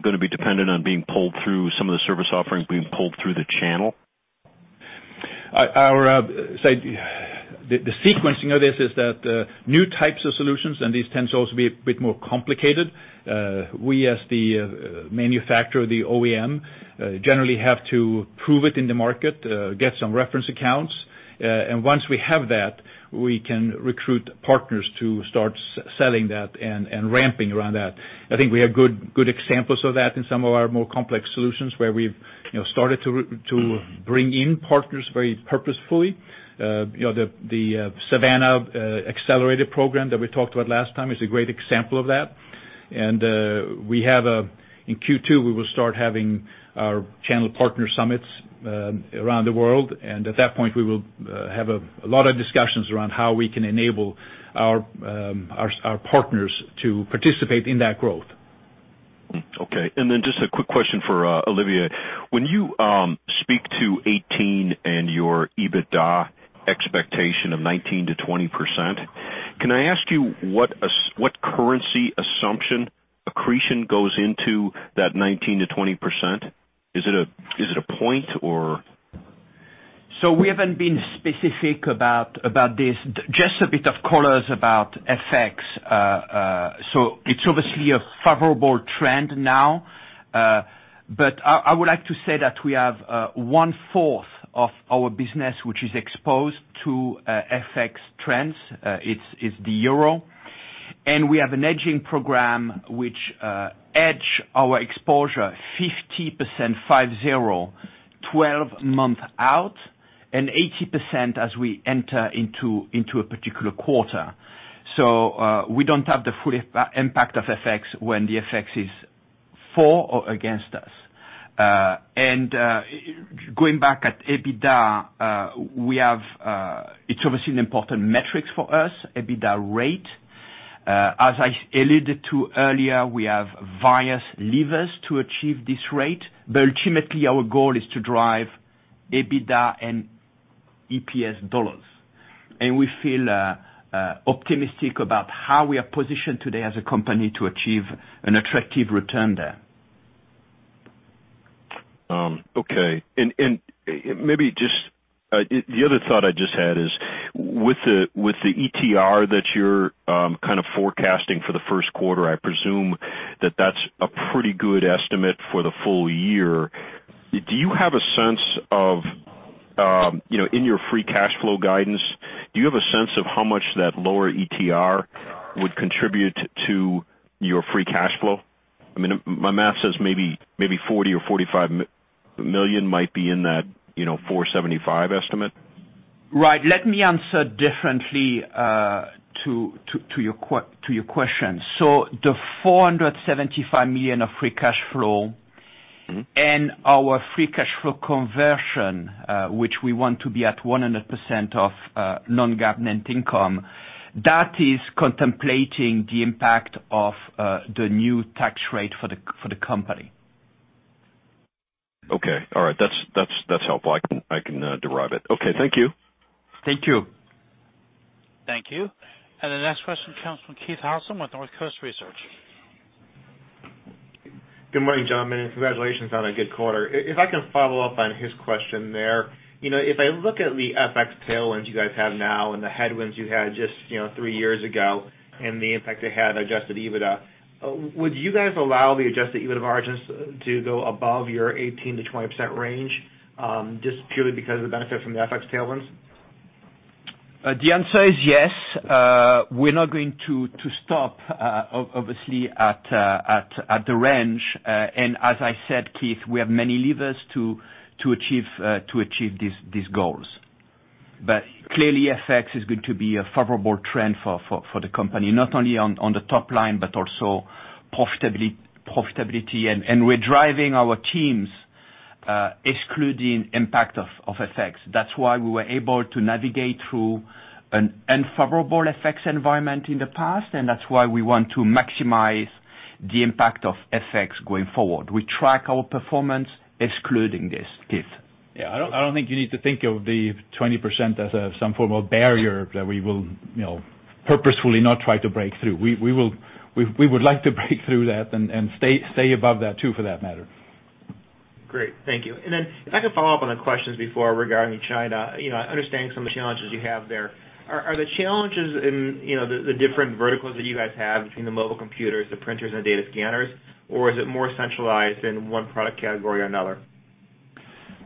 Speaker 11: going to be dependent on being pulled through some of the service offerings being pulled through the channel?
Speaker 3: The sequencing of this is that new types of solutions, these tend to also be a bit more complicated. We, as the manufacturer of the OEM, generally have to prove it in the market, get some reference accounts, once we have that, we can recruit partners to start selling that and ramping around that. I think we have good examples of that in some of our more complex solutions, where we've started to bring in partners very purposefully. The Savanna Accelerated program that we talked about last time is a great example of that. In Q2, we will start having our channel partner summits around the world, at that point, we will have a lot of discussions around how we can enable our partners to participate in that growth.
Speaker 11: Okay. Just a quick question for Olivier. When you speak to 2018 and your EBITDA expectation of 19%-20%, can I ask you what currency assumption accretion goes into that 19%-20%? Is it a point or
Speaker 4: We haven't been specific about this. Just a bit of colors about FX. It's obviously a favorable trend now. I would like to say that we have one-fourth of our business, which is exposed to FX trends. It's the euro. We have an hedging program which hedge our exposure 50%, 12 month out, and 80% as we enter into a particular quarter. We don't have the full impact of FX when the FX is for or against us. Going back at EBITDA, it's obviously an important metric for us, EBITDA rate. As I alluded to earlier, we have various levers to achieve this rate. Ultimately, our goal is to drive EBITDA and EPS dollars. We feel optimistic about how we are positioned today as a company to achieve an attractive return there.
Speaker 11: Okay. Maybe the other thought I just had is with the ETR that you're kind of forecasting for the first quarter, I presume that that's a pretty good estimate for the full year. In your free cash flow guidance, do you have a sense of how much that lower ETR would contribute to your free cash flow? My math says maybe $40 million or $45 million might be in that $475 million estimate.
Speaker 4: Right. Let me answer differently to your question. The $475 million of free cash flow and our free cash flow conversion, which we want to be at 100% of non-GAAP net income, that is contemplating the impact of the new tax rate for the company.
Speaker 11: Okay. All right. That's helpful. I can derive it. Okay. Thank you.
Speaker 4: Thank you.
Speaker 1: Thank you. The next question comes from Keith Housum with Northcoast Research.
Speaker 12: Good morning, gentlemen. Congratulations on a good quarter. If I can follow up on his question there. If I look at the FX tailwinds you guys have now and the headwinds you had just three years ago and the impact it had on adjusted EBITDA, would you guys allow the adjusted EBITDA margins to go above your 18%-20% range, just purely because of the benefit from the FX tailwinds?
Speaker 4: The answer is yes. We're not going to stop, obviously, at the range. As I said, Keith, we have many levers to achieve these goals. Clearly, FX is going to be a favorable trend for the company, not only on the top line, but also profitability. We're driving our teams, excluding impact of FX. That's why we were able to navigate through an unfavorable FX environment in the past, and that's why we want to maximize the impact of FX going forward. We track our performance excluding this, Keith.
Speaker 3: Yeah, I don't think you need to think of the 20% as some form of barrier that we will purposefully not try to break through. We would like to break through that and stay above that too, for that matter.
Speaker 12: Great. Thank you. If I could follow up on the questions before regarding China. I understand some of the challenges you have there. Are the challenges in the different verticals that you guys have between the mobile computers, the printers, and data scanners, or is it more centralized in one product category or another?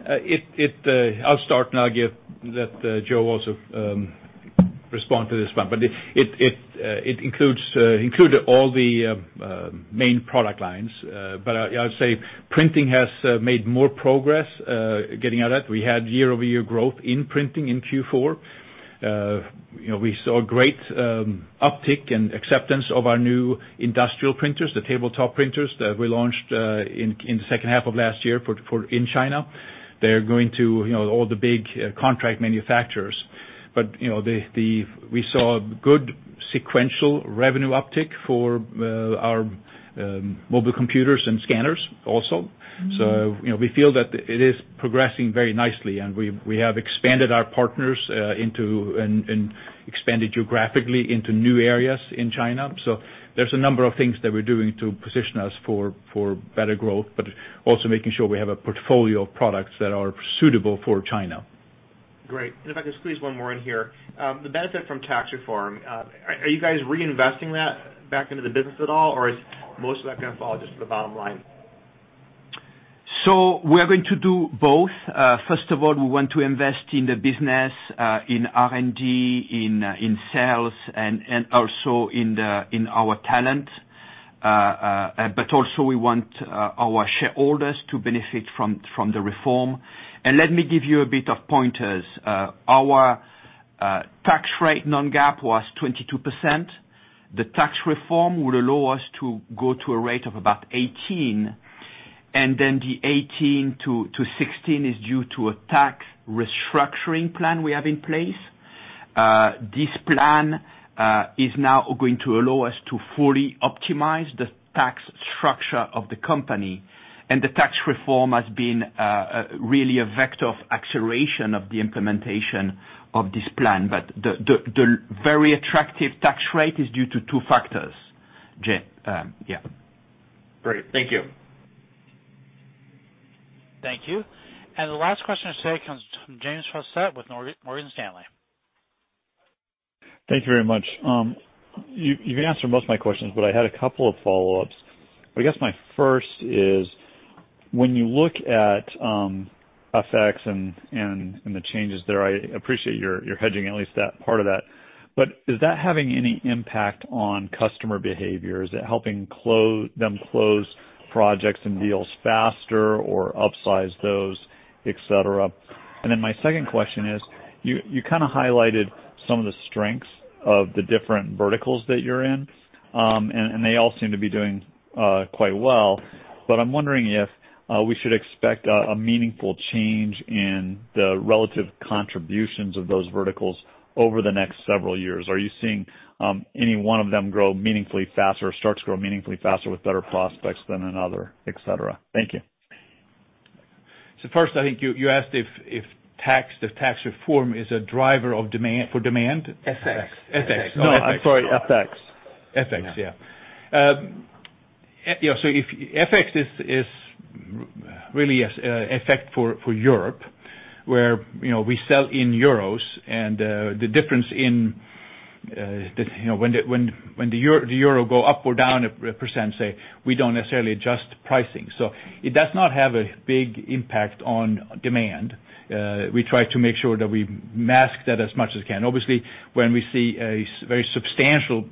Speaker 3: I'll start, and I'll get that Joe Heel also respond to this one. It included all the main product lines. I would say printing has made more progress getting at that. We had year-over-year growth in printing in Q4. We saw great uptick and acceptance of our new industrial printers, the tabletop printers that we launched in the second half of last year in China. They're going to all the big contract manufacturers. We saw good sequential revenue uptick for our mobile computers and scanners also. We feel that it is progressing very nicely, and we have expanded our partners and expanded geographically into new areas in China. There's a number of things that we're doing to position us for better growth, but also making sure we have a portfolio of products that are suitable for China.
Speaker 12: Great. If I could squeeze one more in here. The benefit from tax reform, are you guys reinvesting that back into the business at all, or is most of that going to fall just to the bottom line?
Speaker 4: We're going to do both. First of all, we want to invest in the business, in R&D, in sales, and also in our talent. Also we want our shareholders to benefit from the reform. Let me give you a bit of pointers. Our tax rate, non-GAAP, was 22%. The tax reform would allow us to go to a rate of about 18%, and then the 18% to 16% is due to a tax restructuring plan we have in place. This plan is now going to allow us to fully optimize the tax structure of the company, and the tax reform has been really a vector of acceleration of the implementation of this plan. The very attractive tax rate is due to two factors, Keith. Yeah.
Speaker 12: Great. Thank you.
Speaker 1: Thank you. The last question today comes from James Faucette with Morgan Stanley.
Speaker 13: Thank you very much. You've answered most of my questions, I had a couple of follow-ups. I guess my first is, when you look at FX and the changes there, I appreciate you're hedging at least that part of that, but is that having any impact on customer behavior? Is it helping them close projects and deals faster or upsize those, et cetera? My second question is, you kind of highlighted some of the strengths of the different verticals that you're in. They all seem to be doing quite well. I'm wondering if we should expect a meaningful change in the relative contributions of those verticals over the next several years. Are you seeing any one of them grow meaningfully faster, or start to grow meaningfully faster with better prospects than another, et cetera? Thank you.
Speaker 3: First, I think you asked if tax reform is a driver for demand?
Speaker 7: FX.
Speaker 3: FX.
Speaker 13: No, I'm sorry, FX.
Speaker 3: FX, yeah. FX is really an effect for Europe, where we sell in EUR and the difference in when the EUR go up or down 1%, say, we don't necessarily adjust pricing. It does not have a big impact on demand. We try to make sure that we mask that as much as we can. Obviously, when we see a very substantial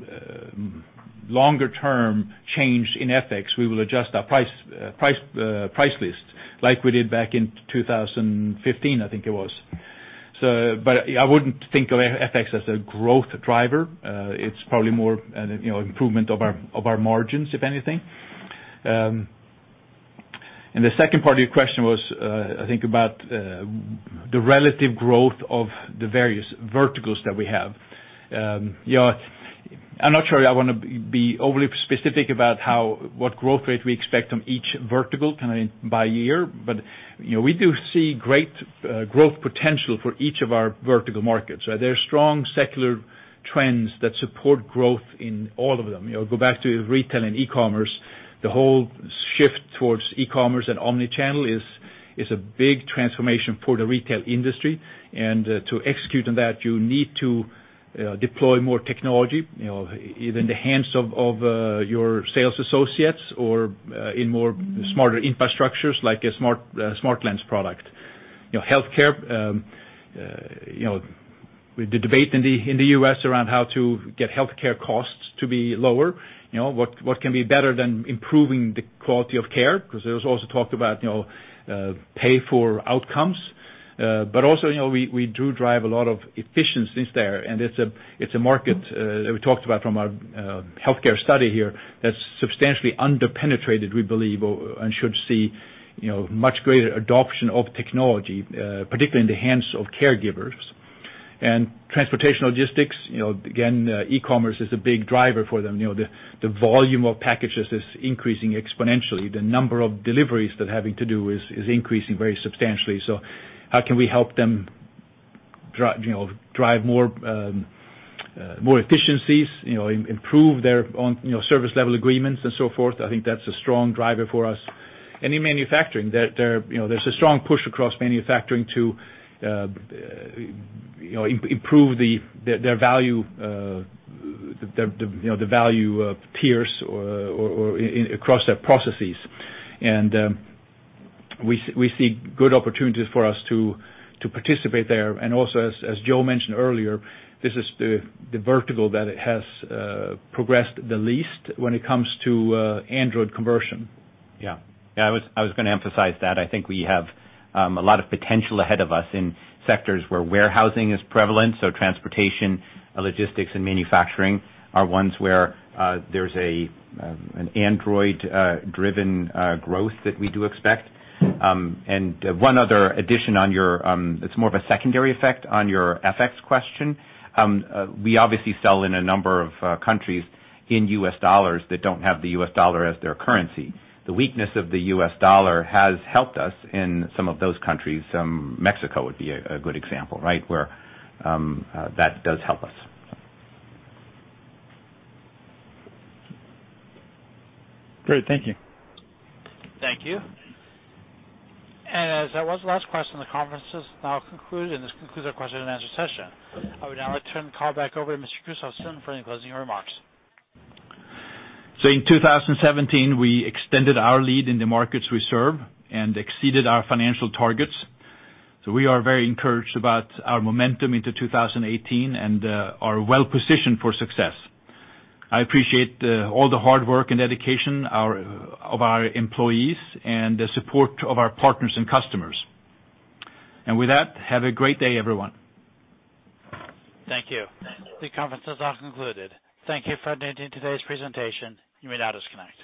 Speaker 3: longer-term change in FX, we will adjust our price list like we did back in 2015, I think it was. I wouldn't think of FX as a growth driver. It's probably more an improvement of our margins, if anything. The second part of your question was, I think about the relative growth of the various verticals that we have. I'm not sure I want to be overly specific about what growth rate we expect from each vertical by year, we do see great growth potential for each of our vertical markets. There are strong secular trends that support growth in all of them. Go back to retail and e-commerce, the whole shift towards e-commerce and omni-channel is a big transformation for the retail industry. To execute on that, you need to deploy more technology, in the hands of your sales associates or in more smarter infrastructures like a SmartLens product. Healthcare, with the debate in the U.S. around how to get healthcare costs to be lower, what can be better than improving the quality of care? Because there was also talk about pay for outcomes. Also, we do drive a lot of efficiencies there, and it's a market that we talked about from our Hospital Vision Study here that's substantially under-penetrated, we believe, and should see much greater adoption of technology, particularly in the hands of caregivers. Transportation logistics, again, e-commerce is a big driver for them. The volume of packages is increasing exponentially. The number of deliveries they're having to do is increasing very substantially. How can we help them drive more efficiencies, improve their service level agreements and so forth. I think that's a strong driver for us. In manufacturing, there's a strong push across manufacturing to improve the value tiers across their processes. We see good opportunities for us to participate there. Also, as Joe mentioned earlier, this is the vertical that it has progressed the least when it comes to Android conversion.
Speaker 7: I was going to emphasize that. I think we have a lot of potential ahead of us in sectors where warehousing is prevalent, so transportation, logistics, and manufacturing are ones where there's an Android-driven growth that we do expect. One other addition on your, it's more of a secondary effect on your FX question. We obviously sell in a number of countries in U.S. dollars that don't have the U.S. dollar as their currency. The weakness of the U.S. dollar has helped us in some of those countries. Mexico would be a good example, where that does help us.
Speaker 13: Great. Thank you.
Speaker 1: Thank you. As that was the last question, the conference is now concluded, and this concludes our question and answer session. I would now like to turn the call back over to Mr. Gustafsson for any closing remarks.
Speaker 3: In 2017, we extended our lead in the markets we serve and exceeded our financial targets. We are very encouraged about our momentum into 2018 and are well-positioned for success. I appreciate all the hard work and dedication of our employees and the support of our partners and customers. With that, have a great day, everyone.
Speaker 1: Thank you. The conference is now concluded. Thank you for attending today's presentation. You may now disconnect.